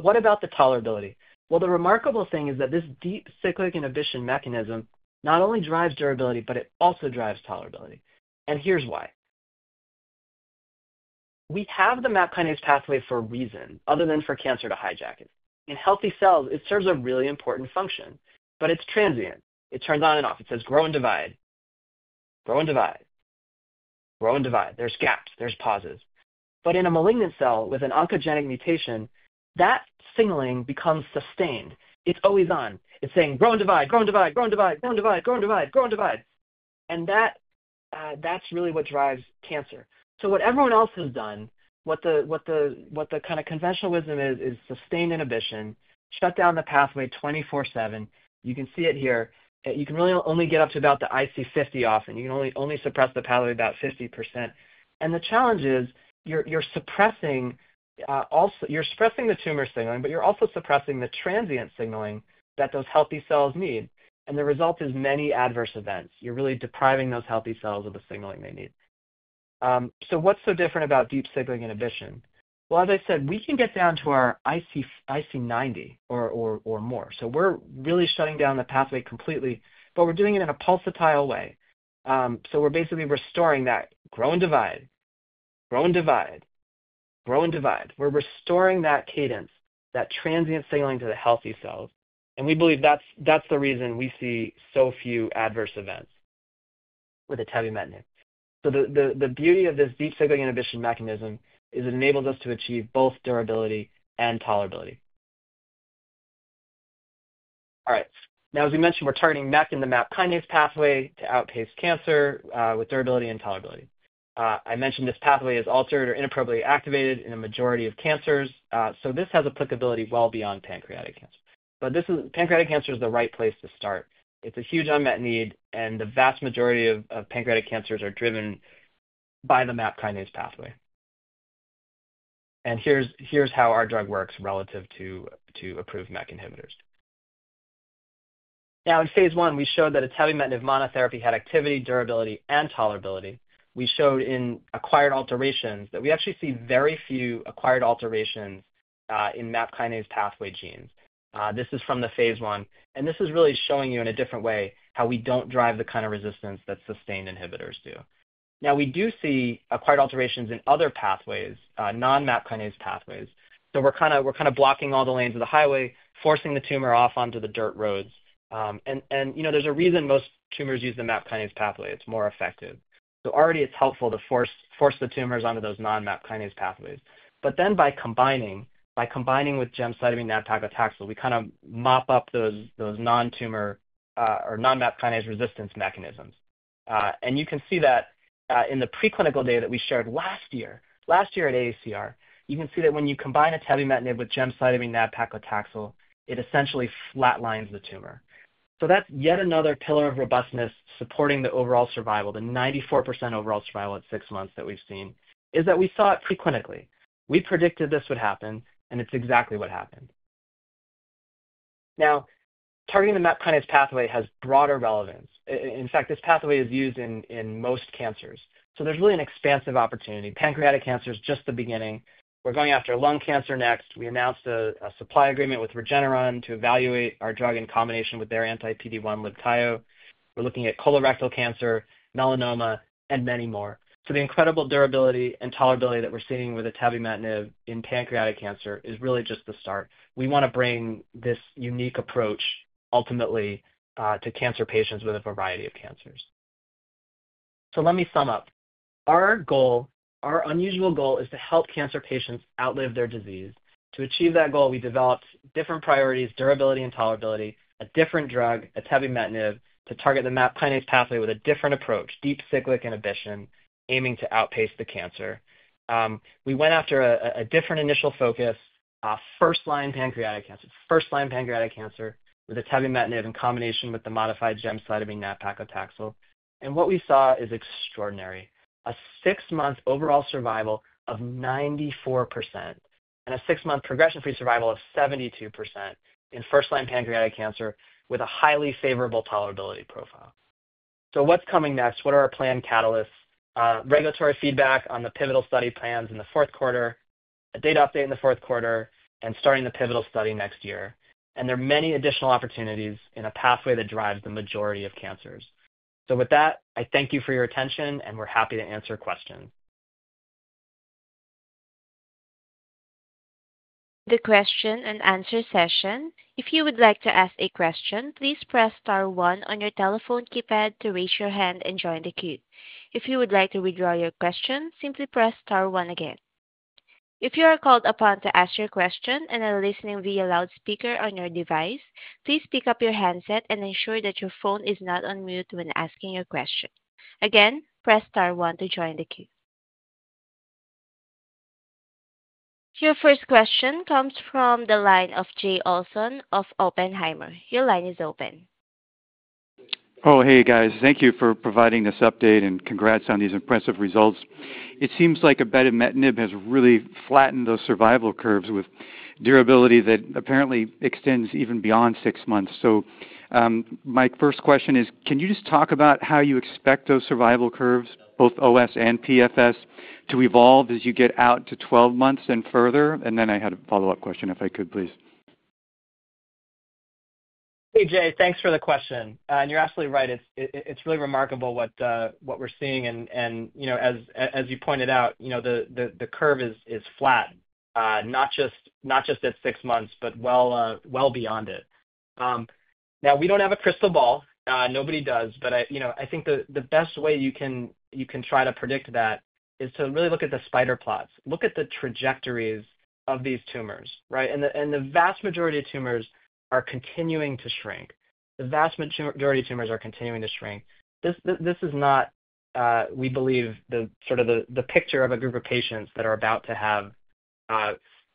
Speaker 3: What about the tolerability? The remarkable thing is that this deep cyclic inhibition mechanism not only drives durability, but it also drives tolerability. Here's why. We have the MAP kinase pathway for a reason other than for cancer to hijack it. In healthy cells, it serves a really important function. It is transient. It turns on and off. It says grow and divide, grow and divide, grow and divide. There are gaps. There are pauses. In a malignant cell with an oncogenic mutation, that signaling becomes sustained. It is always on. It is saying, "Grow and divide, grow and divide, grow and divide, grow and divide, grow and divide, grow and divide." That is really what drives cancer. What everyone else has done, what the kind of conventional wisdom is, is sustained inhibition, shut down the pathway 24/7. You can see it here. You can really only get up to about the IC50 often. You can only suppress the pathway about 50%. The challenge is you're suppressing the tumor signaling, but you're also suppressing the transient signaling that those healthy cells need. The result is many adverse events. You're really depriving those healthy cells of the signaling they need. What is so different about deep cyclic inhibition? As I said, we can get down to our IC90 or more. We're really shutting down the pathway completely, but we're doing it in a pulsatile way. We're basically restoring that grow and divide, grow and divide, grow and divide. We're restoring that cadence, that transient signaling to the healthy cells. We believe that's the reason we see so few adverse events with atobemetinib. The beauty of this deep cyclic inhibition mechanism is it enables us to achieve both durability and tolerability. All right. Now, as we mentioned, we're targeting MEK and the MAP kinase pathway to outpace cancer with durability and tolerability. I mentioned this pathway is altered or inappropriately activated in a majority of cancers. This has applicability well beyond pancreatic cancer. Pancreatic cancer is the right place to start. It's a huge unmet need. The vast majority of pancreatic cancers are driven by the MAP kinase pathway. Here's how our drug works relative to approved MEK inhibitors. In phase one, we showed that atobemetinib monotherapy had activity, durability, and tolerability. We showed in acquired alterations that we actually see very few acquired alterations in MAP kinase pathway genes. This is from the phase one. This is really showing you in a different way how we don't drive the kind of resistance that sustained inhibitors do. Now, we do see acquired alterations in other pathways, non-MAP kinase pathways. We are kind of blocking all the lanes of the highway, forcing the tumor off onto the dirt roads. There is a reason most tumors use the MAP kinase pathway. It is more effective. Already, it is helpful to force the tumors onto those non-MAP kinase pathways. By combining with gemcitabine nab-paclitaxel, we kind of mop up those non-tumor or non-MAP kinase resistance mechanisms. You can see that in the preclinical data that we shared last year, last year at AACR, you can see that when you combine atobemetinib with gemcitabine nab-paclitaxel, it essentially flatlines the tumor. That is yet another pillar of robustness supporting the overall survival, the 94% overall survival at six months that we have seen, is that we saw it preclinically. We predicted this would happen, and it is exactly what happened. Now, targeting the MAP kinase pathway has broader relevance. In fact, this pathway is used in most cancers. There's really an expansive opportunity. Pancreatic cancer is just the beginning. We're going after lung cancer next. We announced a supply agreement with Regeneron to evaluate our drug in combination with their anti-PD-1 Libtayo. We're looking at colorectal cancer, melanoma, and many more. The incredible durability and tolerability that we're seeing with atobemetinib in pancreatic cancer is really just the start. We want to bring this unique approach ultimately to cancer patients with a variety of cancers. Let me sum up. Our goal, our unusual goal, is to help cancer patients outlive their disease. To achieve that goal, we developed different priorities, durability and tolerability, a different drug, atobemetinib, to target the MAP kinase pathway with a different approach, deep cyclic inhibition, aiming to outpace the cancer. We went after a different initial focus, first-line pancreatic cancer, first-line pancreatic cancer with atobemetinib in combination with the modified gemcitabine nab-paclitaxel. What we saw is extraordinary. A six-month overall survival of 94% and a six-month progression-free survival of 72% in first-line pancreatic cancer with a highly favorable tolerability profile. What's coming next? What are our planned catalysts? Regulatory feedback on the pivotal study plans in the fourth quarter, a data update in the fourth quarter, and starting the pivotal study next year. There are many additional opportunities in a pathway that drives the majority of cancers. With that, I thank you for your attention, and we're happy to answer questions.
Speaker 1: The question and answer session. If you would like to ask a question, please press star one on your telephone keypad to raise your hand and join the queue. If you would like to withdraw your question, simply press star one again. If you are called upon to ask your question and are listening via loudspeaker on your device, please pick up your handset and ensure that your phone is not on mute when asking your question. Again, press star one to join the queue. Your first question comes from the line of Jay Olson of Oppenheimer. Your line is open.
Speaker 4: Oh, hey, guys. Thank you for providing this update and congrats on these impressive results. It seems like atobemetinib has really flattened those survival curves with durability that apparently extends even beyond six months. My first question is, can you just talk about how you expect those survival curves, both OS and PFS, to evolve as you get out to 12 months and further? I had a follow-up question, if I could, please.
Speaker 3: Hey, Jay, thanks for the question. You're absolutely right. It's really remarkable what we're seeing. As you pointed out, the curve is flat, not just at six months, but well beyond it. We don't have a crystal ball. Nobody does. I think the best way you can try to predict that is to really look at the spider plots. Look at the trajectories of these tumors, right? The vast majority of tumors are continuing to shrink. This is not, we believe, sort of the picture of a group of patients that are about to have,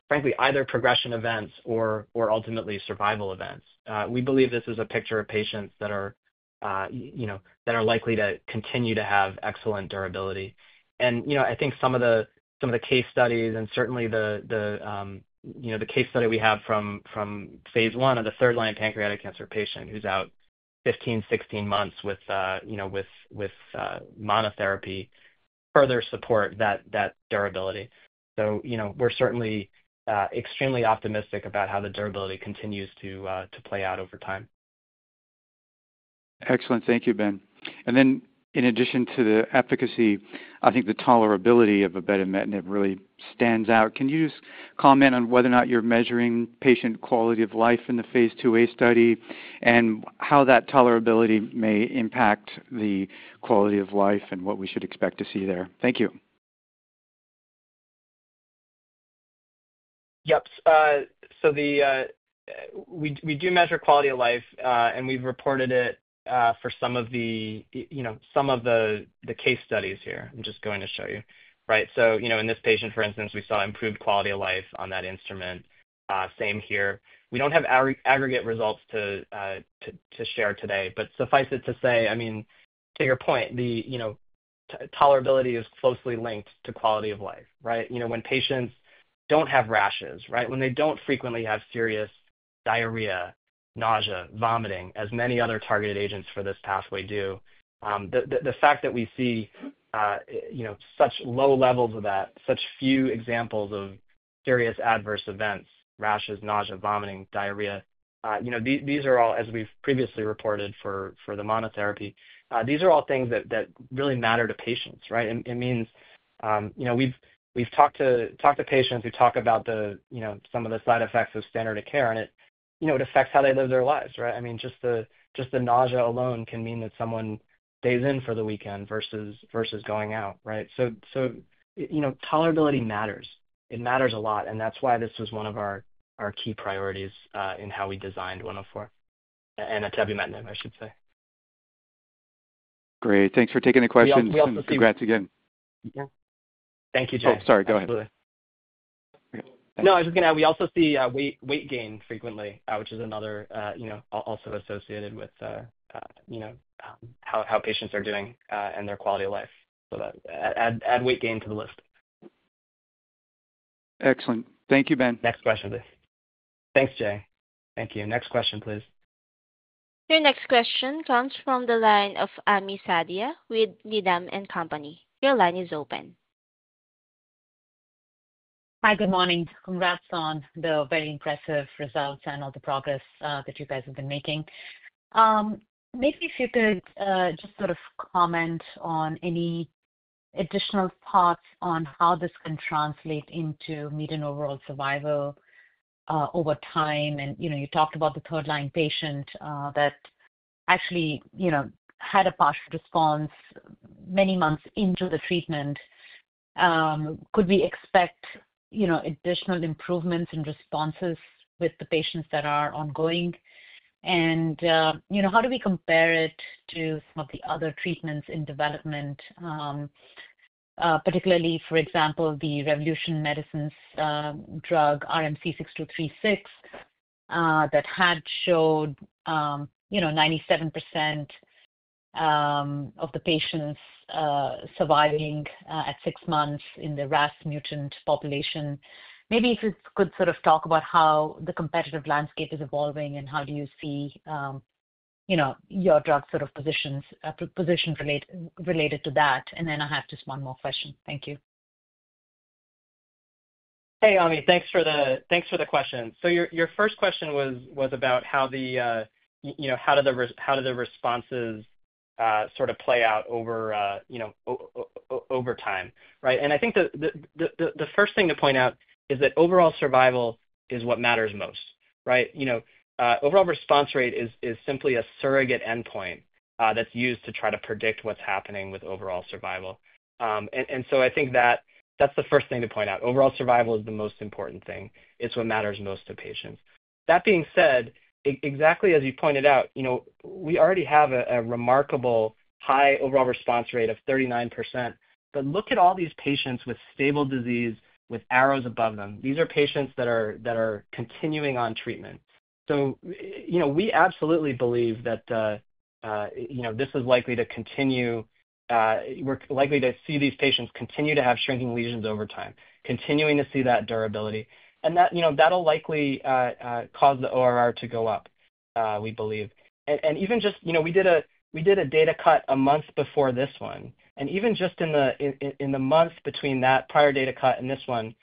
Speaker 3: frankly, either progression events or ultimately survival events. We believe this is a picture of patients that are likely to continue to have excellent durability. I think some of the case studies and certainly the case study we have from phase one of the third-line pancreatic cancer patient who's out 15, 16 months with monotherapy further support that durability. We're certainly extremely optimistic about how the durability continues to play out over time.
Speaker 4: Excellent. Thank you, Ben. In addition to the efficacy, I think the tolerability of abetimetinib really stands out. Can you just comment on whether or not you're measuring patient quality of life in the phase II-A study and how that tolerability may impact the quality of life and what we should expect to see there? Thank you.
Speaker 3: Yep. We do measure quality of life, and we've reported it for some of the case studies here. I'm just going to show you, right? In this patient, for instance, we saw improved quality of life on that instrument. Same here. We do not have aggregate results to share today. Suffice it to say, I mean, to your point, tolerability is closely linked to quality of life, right? When patients do not have rashes, right? When they do not frequently have serious diarrhea, nausea, vomiting, as many other targeted agents for this pathway do, the fact that we see such low levels of that, such few examples of serious adverse events, rashes, nausea, vomiting, diarrhea, these are all, as we have previously reported for the monotherapy, these are all things that really matter to patients, right? It means we have talked to patients who talk about some of the side effects of standard of care, and it affects how they live their lives, right? I mean, just the nausea alone can mean that someone stays in for the weekend versus going out, right? Tolerability matters. It matters a lot. That is why this was one of our key priorities in how we designed 104 and atobemetinib, I should say.
Speaker 4: Great. Thanks for taking the question. Congrats again.
Speaker 3: Thank you, Jay.
Speaker 4: Oh, sorry. Go ahead. Absolutely.
Speaker 3: No, I was just going to add we also see weight gain frequently, which is also associated with how patients are doing and their quality of life. Add weight gain to the list.
Speaker 4: Excellent. Thank you, Ben. Next question, please.
Speaker 3: Thanks, Jay. Thank you. Next question, please.
Speaker 1: Your next question comes from the line of Ami Fadia with Needham & Company. Your line is open.
Speaker 5: Hi, good morning. Congrats on the very impressive results and all the progress that you guys have been making. Maybe if you could just sort of comment on any additional thoughts on how this can translate into median overall survival over time. You talked about the third-line patient that actually had a positive response many months into the treatment. Could we expect additional improvements in responses with the patients that are ongoing? How do we compare it to some of the other treatments in development, particularly, for example, the Revolution Medicines drug, RMC-6236, that had showed 97% of the patients surviving at six months in the RAS mutant population? Maybe if you could sort of talk about how the competitive landscape is evolving and how do you see your drug sort of position related to that. I have just one more question. Thank you.
Speaker 3: Hey, Amy. Thanks for the question. Your first question was about how do the responses sort of play out over time, right? I think the first thing to point out is that overall survival is what matters most, right? Overall response rate is simply a surrogate endpoint that's used to try to predict what's happening with overall survival. I think that's the first thing to point out. Overall survival is the most important thing. It's what matters most to patients. That being said, exactly as you pointed out, we already have a remarkably high overall response rate of 39%. Look at all these patients with stable disease with arrows above them. These are patients that are continuing on treatment. We absolutely believe that this is likely to continue. We're likely to see these patients continue to have shrinking lesions over time, continuing to see that durability. That'll likely cause the ORR to go up, we believe. Even just, we did a data cut a month before this one. Even just in the months between that prior data cut and this one,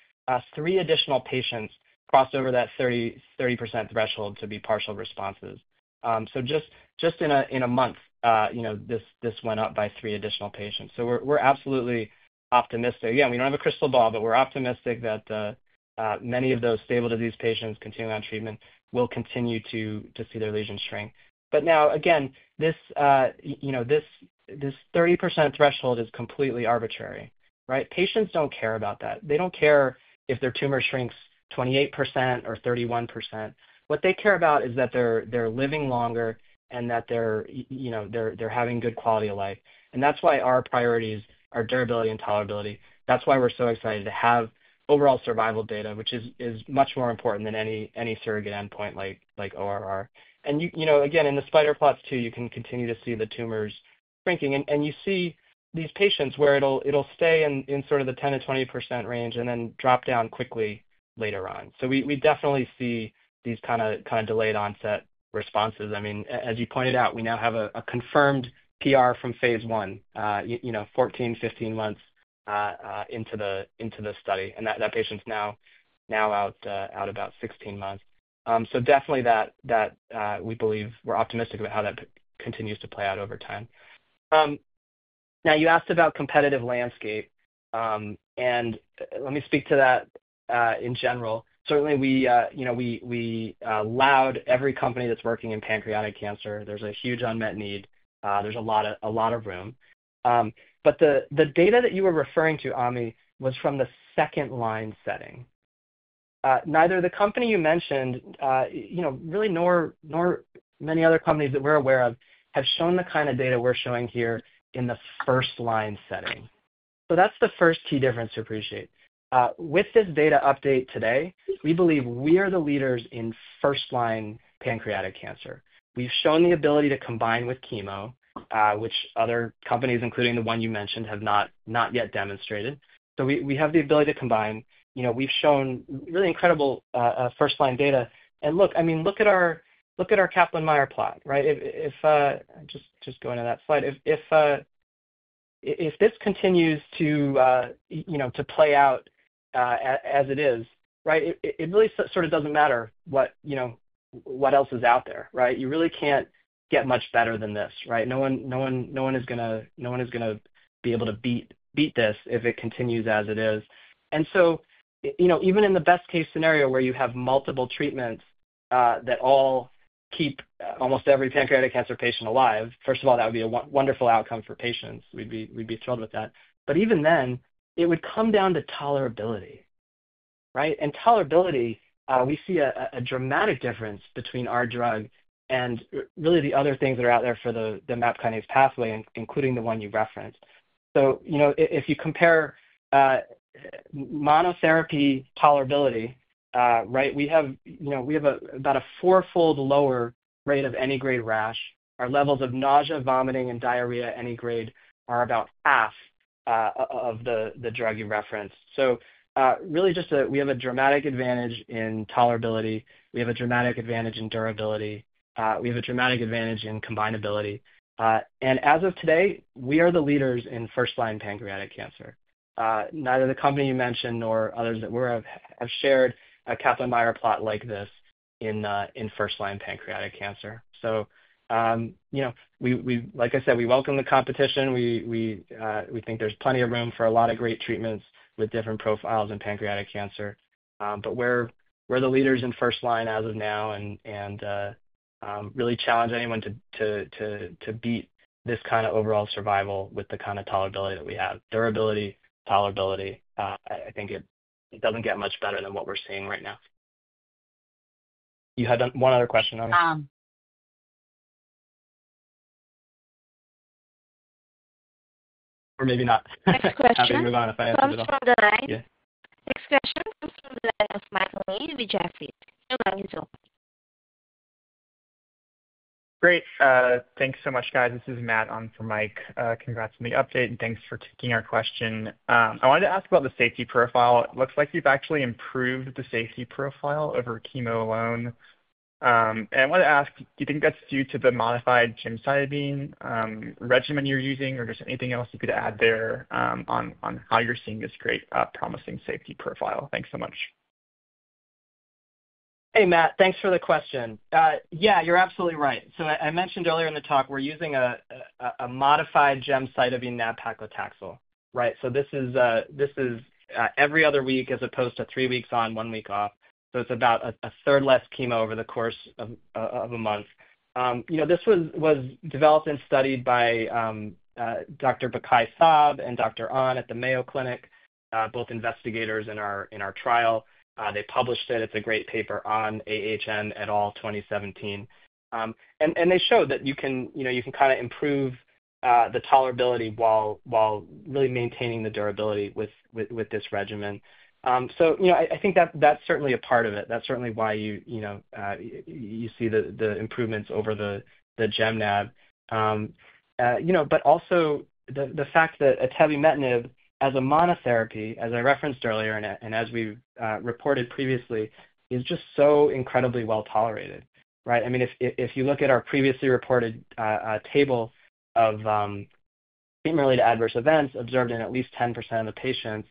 Speaker 3: three additional patients crossed over that 30% threshold to be partial responses. Just in a month, this went up by three additional patients. We're absolutely optimistic. Again, we don't have a crystal ball, but we're optimistic that many of those stable disease patients continuing on treatment will continue to see their lesions shrink. Now, again, this 30% threshold is completely arbitrary, right? Patients do not care about that. They do not care if their tumor shrinks 28% or 31%. What they care about is that they're living longer and that they're having good quality of life. That's why our priorities are durability and tolerability. That's why we're so excited to have overall survival data, which is much more important than any surrogate endpoint like ORR. In the spider plots, too, you can continue to see the tumors shrinking. You see these patients where it'll stay in sort of the 10-20% range and then drop down quickly later on. We definitely see these kind of delayed onset responses. I mean, as you pointed out, we now have a confirmed PR from phase one, 14-15 months into the study. That patient's now out about 16 months. We believe we're optimistic about how that continues to play out over time. You asked about competitive landscape. Let me speak to that in general. Certainly, we allowed every company that's working in pancreatic cancer. There's a huge unmet need. There's a lot of room. The data that you were referring to, Amy, was from the second-line setting. Neither the company you mentioned, really, nor many other companies that we're aware of, have shown the kind of data we're showing here in the first-line setting. That is the first key difference to appreciate. With this data update today, we believe we are the leaders in first-line pancreatic cancer. We've shown the ability to combine with chemo, which other companies, including the one you mentioned, have not yet demonstrated. We have the ability to combine. We've shown really incredible first-line data. I mean, look at our Kaplan-Meier plot, right? Just going to that slide. If this continues to play out as it is, it really sort of doesn't matter what else is out there, right? You really can't get much better than this, right? No one is going to be able to beat this if it continues as it is. Even in the best-case scenario where you have multiple treatments that all keep almost every pancreatic cancer patient alive, first of all, that would be a wonderful outcome for patients. We'd be thrilled with that. Even then, it would come down to tolerability, right? Tolerability, we see a dramatic difference between our drug and really the other things that are out there for the MAP kinase pathway, including the one you referenced. If you compare monotherapy tolerability, we have about a four-fold lower rate of any grade rash. Our levels of nausea, vomiting, and diarrhea any grade are about half of the drug you referenced. We have a dramatic advantage in tolerability. We have a dramatic advantage in durability. We have a dramatic advantage in combinability. As of today, we are the leaders in first-line pancreatic cancer. Neither the company you mentioned nor others that we are aware of have shared a Kaplan-Meier plot like this in first-line pancreatic cancer. Like I said, we welcome the competition. We think there is plenty of room for a lot of great treatments with different profiles in pancreatic cancer. We are the leaders in first-line as of now and really challenge anyone to beat this kind of overall survival with the kind of tolerability that we have. Durability, tolerability, I think it does not get much better than what we are seeing right now. You had one other question, Amy. Or maybe not. Next question. Happy to move on if I answered it all.
Speaker 1: Next question from the line of Michael Lee with Jefferies.
Speaker 6: Great. Thanks so much, guys. This is Matt. I am from Mike. Congrats on the update. Thanks for taking our question. I wanted to ask about the safety profile. It looks like you've actually improved the safety profile over chemo alone. I wanted to ask, do you think that's due to the modified gemcitabine nab-paclitaxel regimen you're using or just anything else you could add there on how you're seeing this great, promising safety profile? Thanks so much.
Speaker 3: Hey, Matt. Thanks for the question. Yeah, you're absolutely right. I mentioned earlier in the talk we're using a modified gemcitabine nab-paclitaxel, right? This is every other week as opposed to three weeks on, one week off. It's about a third less chemo over the course of a month. This was developed and studied by Dr. Bakai Saab and Dr. Ahn at the Mayo Clinic, both investigators in our trial. They published it. It's a great paper on Ahn et al. 2017. They showed that you can kind of improve the tolerability while really maintaining the durability with this regimen. I think that's certainly a part of it. That's certainly why you see the improvements over the GENAB. Also, the fact that atobemetinib, as a monotherapy, as I referenced earlier and as we reported previously, is just so incredibly well tolerated, right? I mean, if you look at our previously reported table of treatment-related adverse events observed in at least 10% of the patients,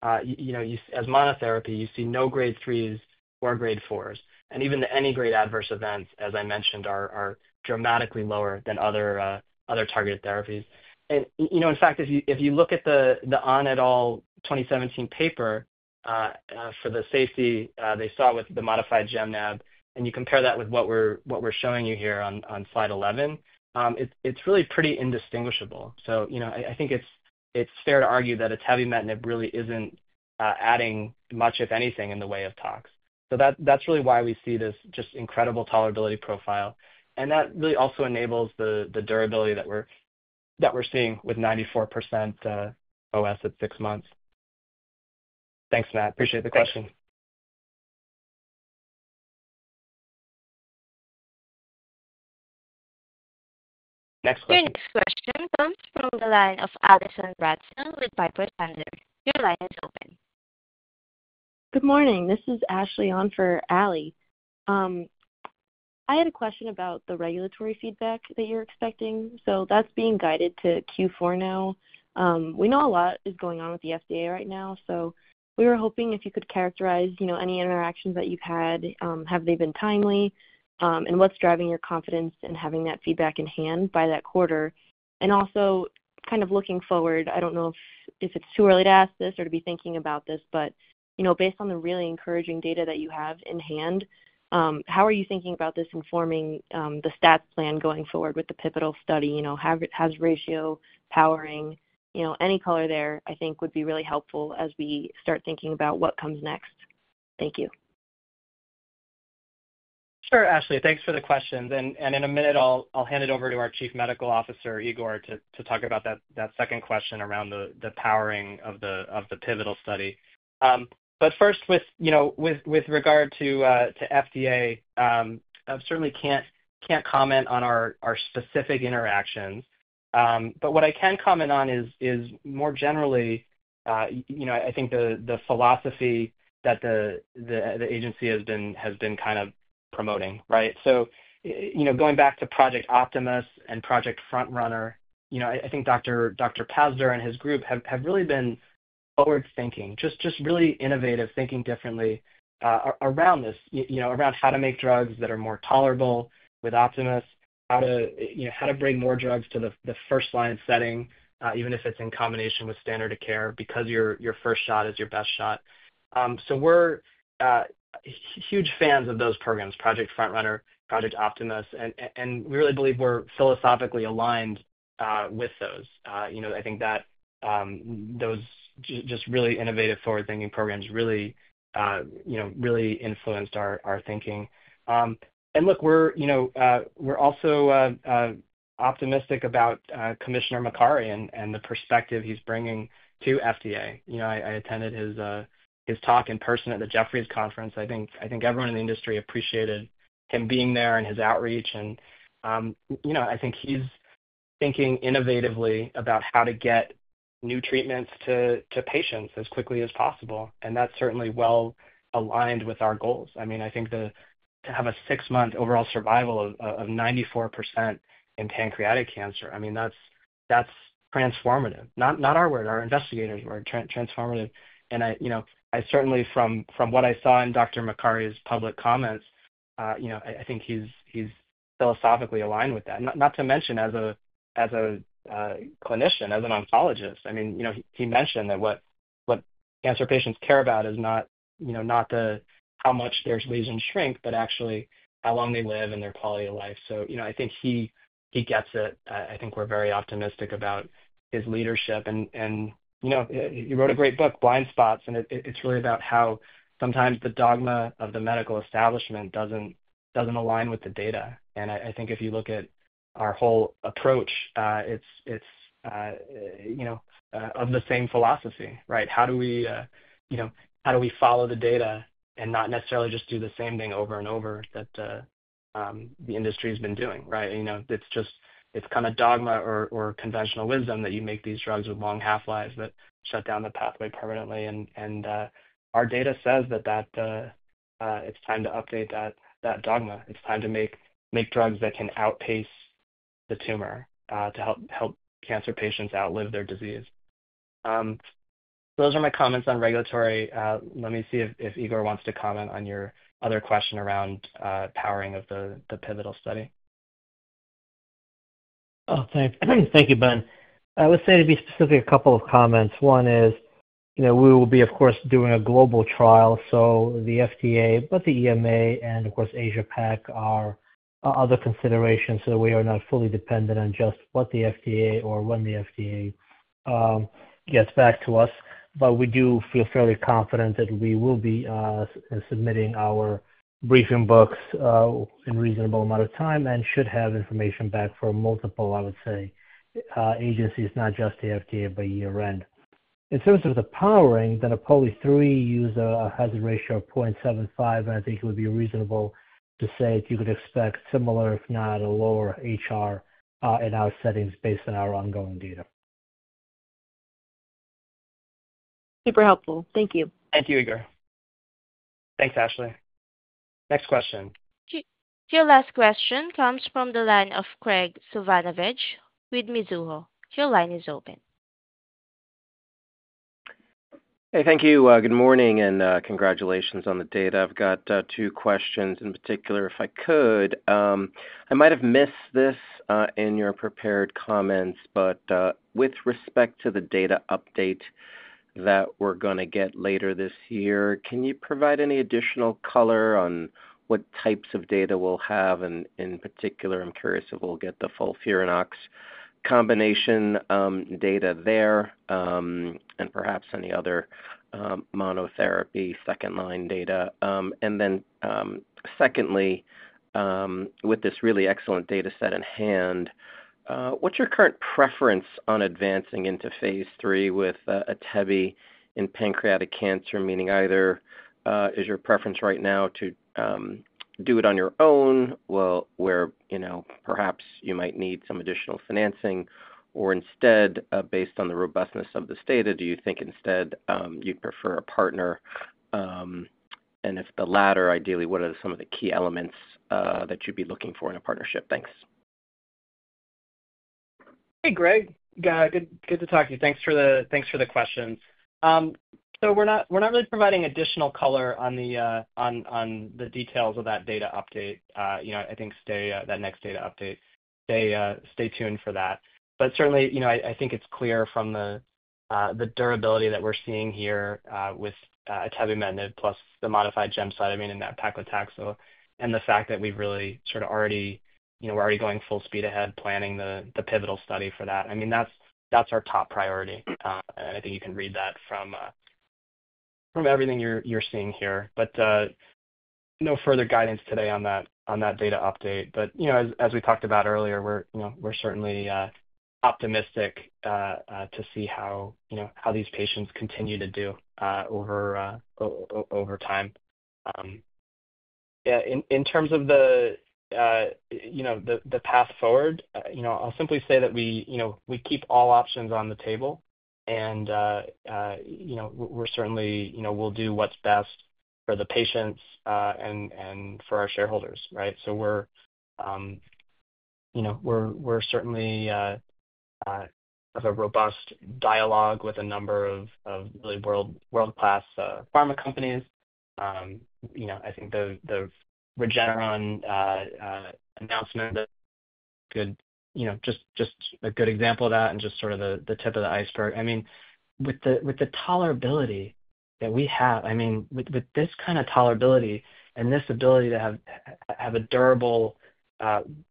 Speaker 3: as monotherapy, you see no grade 3s or grade 4s. Even the any grade adverse events, as I mentioned, are dramatically lower than other targeted therapies. In fact, if you look at the Ahn et al. 2017 paper for the safety they saw with the modified GENAB, and you compare that with what we're showing you here on slide 11, it's really pretty indistinguishable. I think it's fair to argue that atobemetinib really isn't adding much, if anything, in the way of tox. That's really why we see this just incredible tolerability profile. That really also enables the durability that we're seeing with 94% OS at six months. Thanks, Matt. Appreciate the question. Next question.
Speaker 1: Next question comes from the line of Alison Ratsnell with Piper Sandler. Your line is open.
Speaker 7: Good morning. This is Ashley Ahn for Ally. I had a question about the regulatory feedback that you're expecting. That's being guided to Q4 now. We know a lot is going on with the FDA right now. We were hoping if you could characterize any interactions that you've had, have they been timely, and what's driving your confidence in having that feedback in hand by that quarter? Also, kind of looking forward, I don't know if it's too early to ask this or to be thinking about this, but based on the really encouraging data that you have in hand, how are you thinking about this informing the stats plan going forward with the PIPITL study? Has ratio powering? Any color there, I think, would be really helpful as we start thinking about what comes next. Thank you.
Speaker 3: Sure, Ashley. Thanks for the questions. In a minute, I'll hand it over to our Chief Medical Officer, Igor, to talk about that second question around the powering of the PIPITL study. First, with regard to FDA, I certainly can't comment on our specific interactions. What I can comment on is, more generally, I think the philosophy that the agency has been kind of promoting, right? Going back to Project Optimus and Project Front Runner, I think Dr. Pazdur and his group have really been forward-thinking, just really innovative, thinking differently around this, around how to make drugs that are more tolerable with Optimus, how to bring more drugs to the first-line setting, even if it is in combination with standard of care because your first shot is your best shot. We are huge fans of those programs, Project Front Runner, Project Optimus. We really believe we are philosophically aligned with those. I think that those just really innovative, forward-thinking programs really influenced our thinking. Look, we are also optimistic about Commissioner Makari and the perspective he is bringing to FDA. I attended his talk in person at the Jeffries Conference. I think everyone in the industry appreciated him being there and his outreach. I think he's thinking innovatively about how to get new treatments to patients as quickly as possible. That's certainly well aligned with our goals. I mean, I think to have a six-month overall survival of 94% in pancreatic cancer, that's transformative. Not our word. Our investigators were transformative. Certainly, from what I saw in Dr. Makari's public comments, I think he's philosophically aligned with that. Not to mention, as a clinician, as an oncologist, he mentioned that what cancer patients care about is not how much their lesions shrink, but actually how long they live and their quality of life. I think he gets it. I think we're very optimistic about his leadership. He wrote a great book, Blind Spots. It is really about how sometimes the dogma of the medical establishment does not align with the data. I think if you look at our whole approach, it is of the same philosophy, right? How do we follow the data and not necessarily just do the same thing over and over that the industry has been doing, right? It is kind of dogma or conventional wisdom that you make these drugs with long half-lives that shut down the pathway permanently. Our data says that it is time to update that dogma. It is time to make drugs that can outpace the tumor to help cancer patients outlive their disease. Those are my comments on regulatory. Let me see if Igor wants to comment on your other question around powering of the pivotal study.
Speaker 8: Oh, thank you, Ben. I would say to be specific, a couple of comments. One is we will be, of course, doing a global trial. The FDA, the EMA, and, of course, Asia-Pac are other considerations so that we are not fully dependent on just what the FDA or when the FDA gets back to us. We do feel fairly confident that we will be submitting our briefing books in a reasonable amount of time and should have information back for multiple, I would say, agencies, not just the FDA, by year-end. In terms of the powering, the NAPOLI 3 user has a ratio of 0.75. I think it would be reasonable to say that you could expect similar, if not a lower HR in our settings based on our ongoing data.
Speaker 7: Super helpful. Thank you.
Speaker 3: Thank you, Igor. Thanks, Ashley. Next question.
Speaker 1: Your last question comes from the line of Graig Suvannavejh with Mizuho. Your line is open.
Speaker 9: Hey, thank you. Good morning and congratulations on the data. I've got two questions. In particular, if I could, I might have missed this in your prepared comments, but with respect to the data update that we're going to get later this year, can you provide any additional color on what types of data we'll have? In particular, I'm curious if we'll get the full FOLFIRINOX combination data there and perhaps any other monotherapy second-line data. Then secondly, with this really excellent data set in hand, what's your current preference on advancing into phase three with atobemetinib in pancreatic cancer? Meaning, either is your preference right now to do it on your own, where perhaps you might need some additional financing, or instead, based on the robustness of this data, do you think instead you'd prefer a partner? If the latter, ideally, what are some of the key elements that you'd be looking for in a partnership?
Speaker 3: Thanks. Hey, Graig. Good to talk to you. Thanks for the questions. We're not really providing additional color on the details of that data update. I think that next data update, stay tuned for that. Certainly, I think it's clear from the durability that we're seeing here with atobemetinib plus the modified gemcitabine nab-paclitaxel and the fact that we've really sort of already, we're already going full speed ahead planning the pivotal study for that. I mean, that's our top priority. I think you can read that from everything you're seeing here. No further guidance today on that data update. As we talked about earlier, we're certainly optimistic to see how these patients continue to do over time. In terms of the path forward, I'll simply say that we keep all options on the table. We're certainly, we'll do what's best for the patients and for our shareholders, right? We're certainly of a robust dialogue with a number of really world-class pharma companies. I think the Regeneron announcement is just a good example of that and just sort of the tip of the iceberg. I mean, with the tolerability that we have, I mean, with this kind of tolerability and this ability to have a durable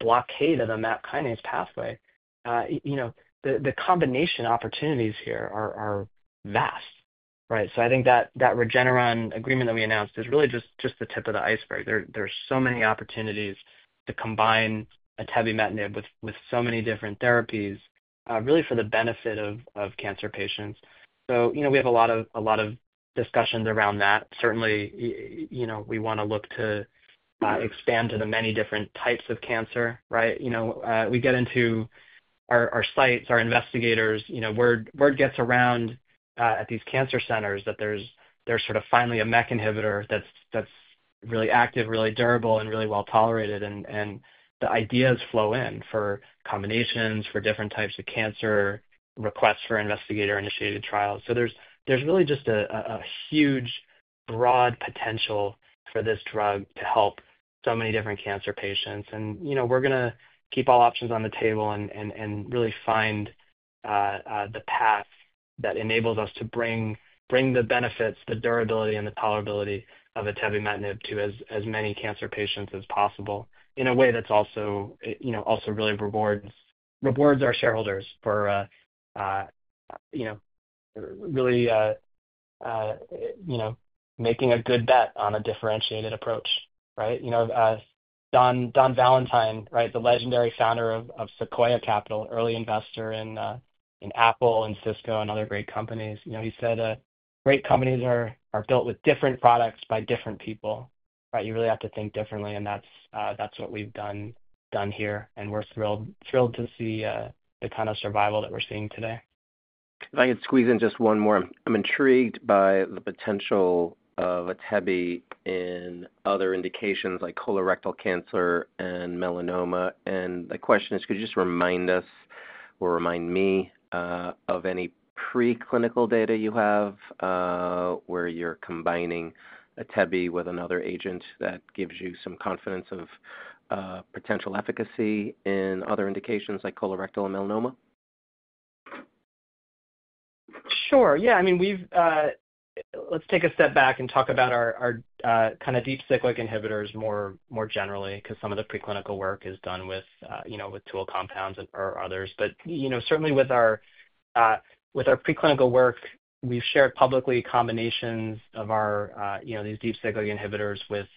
Speaker 3: blockade of the MAP kinase pathway, the combination opportunities here are vast, right? I think that Regeneron agreement that we announced is really just the tip of the iceberg. There are so many opportunities to combine atobemetinib with so many different therapies, really for the benefit of cancer patients. We have a lot of discussions around that. Certainly, we want to look to expand to the many different types of cancer, right? We get into our sites, our investigators. Word gets around at these cancer centers that there's sort of finally a MEK inhibitor that's really active, really durable, and really well tolerated. The ideas flow in for combinations for different types of cancer, requests for investigator-initiated trials. There is really just a huge broad potential for this drug to help so many different cancer patients. We are going to keep all options on the table and really find the path that enables us to bring the benefits, the durability, and the tolerability of atobemetinib to as many cancer patients as possible in a way that also really rewards our shareholders for really making a good bet on a differentiated approach, right? Don Valentine, right, the legendary founder of Sequoia Capital, early investor in Apple and Cisco and other great companies, he said, "Great companies are built with different products by different people." You really have to think differently. That is what we have done here. We are thrilled to see the kind of survival that we are seeing today.
Speaker 9: If I could squeeze in just one more. I am intrigued by the potential of atebi in other indications like colorectal cancer and melanoma. The question is, could you just remind us or remind me of any preclinical data you have where you are combining atebi with another agent that gives you some confidence of potential efficacy in other indications like colorectal and melanoma?
Speaker 3: Sure. Yeah. I mean, let's take a step back and talk about our kind of deep cyclic inhibitors more generally because some of the preclinical work is done with tool compounds or others. But certainly, with our preclinical work, we've shared publicly combinations of these deep cyclic inhibitors with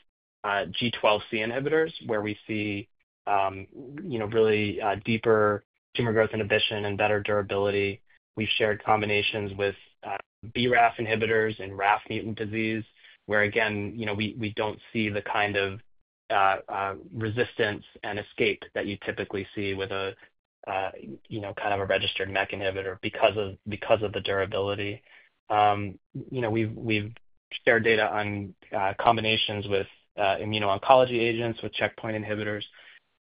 Speaker 3: G12C inhibitors where we see really deeper tumor growth inhibition and better durability. We've shared combinations with BRAF inhibitors in RAF mutant disease where, again, we don't see the kind of resistance and escape that you typically see with kind of a registered MEK inhibitor because of the durability. We've shared data on combinations with immuno-oncology agents with checkpoint inhibitors.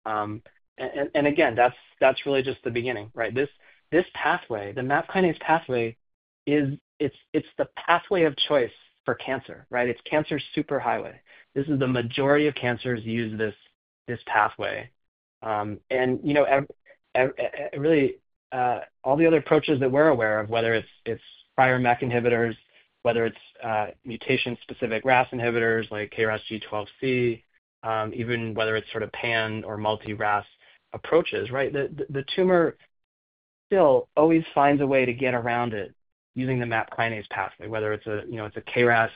Speaker 3: And again, that's really just the beginning, right? This pathway, the MAP kinase pathway, it's the pathway of choice for cancer, right? It's cancer's superhighway. This is the majority of cancers use this pathway. Really, all the other approaches that we're aware of, whether it's prior MEK inhibitors, whether it's mutation-specific RAF inhibitors like KRAS G12C, even whether it's sort of pan or multi-RAF approaches, right? The tumor still always finds a way to get around it using the MAP kinase pathway, whether it's a KRAS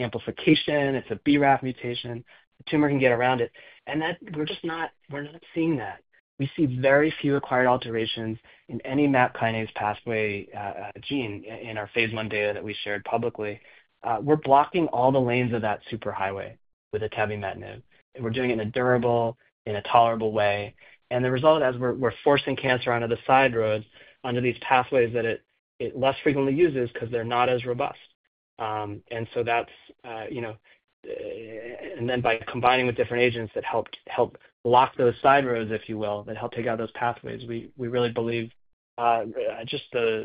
Speaker 3: amplification, it's a BRAF mutation, the tumor can get around it. We're just not seeing that. We see very few acquired alterations in any MAP kinase pathway gene in our phase one data that we shared publicly. We're blocking all the lanes of that superhighway with atobemetinib. We're doing it in a durable, in a tolerable way. The result is we're forcing cancer onto the side roads under these pathways that it less frequently uses because they're not as robust. That is, and then by combining with different agents that help block those side roads, if you will, that help take out those pathways, we really believe just the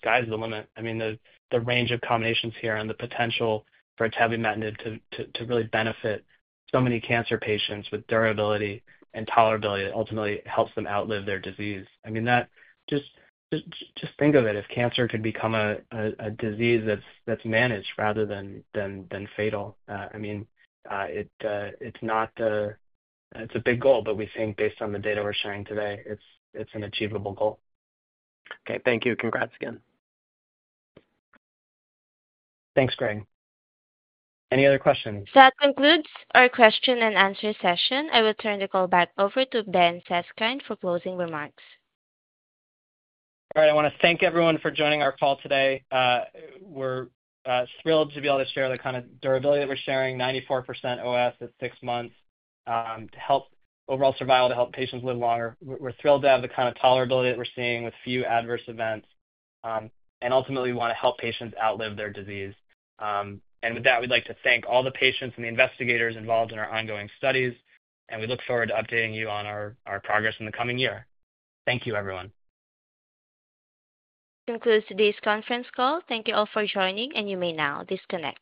Speaker 3: sky's the limit. I mean, the range of combinations here and the potential for atobemetinib to really benefit so many cancer patients with durability and tolerability ultimately helps them outlive their disease. I mean, just think of it. If cancer could become a disease that is managed rather than fatal, I mean, it is not a, it is a big goal, but we think based on the data we are sharing today, it is an achievable goal.
Speaker 9: Okay. Thank you. Congrats again.
Speaker 3: Thanks, Graig. Any other questions?
Speaker 1: That concludes our question and answer session. I will turn the call back over to Ben Zeskind for closing remarks.
Speaker 3: All right. I want to thank everyone for joining our call today. We're thrilled to be able to share the kind of durability that we're sharing, 94% OS at six months, to help overall survival, to help patients live longer. We're thrilled to have the kind of tolerability that we're seeing with few adverse events. Ultimately, we want to help patients outlive their disease. With that, we'd like to thank all the patients and the investigators involved in our ongoing studies. We look forward to updating you on our progress in the coming year. Thank you, everyone.
Speaker 1: This concludes today's conference call. Thank you all for joining. You may now disconnect.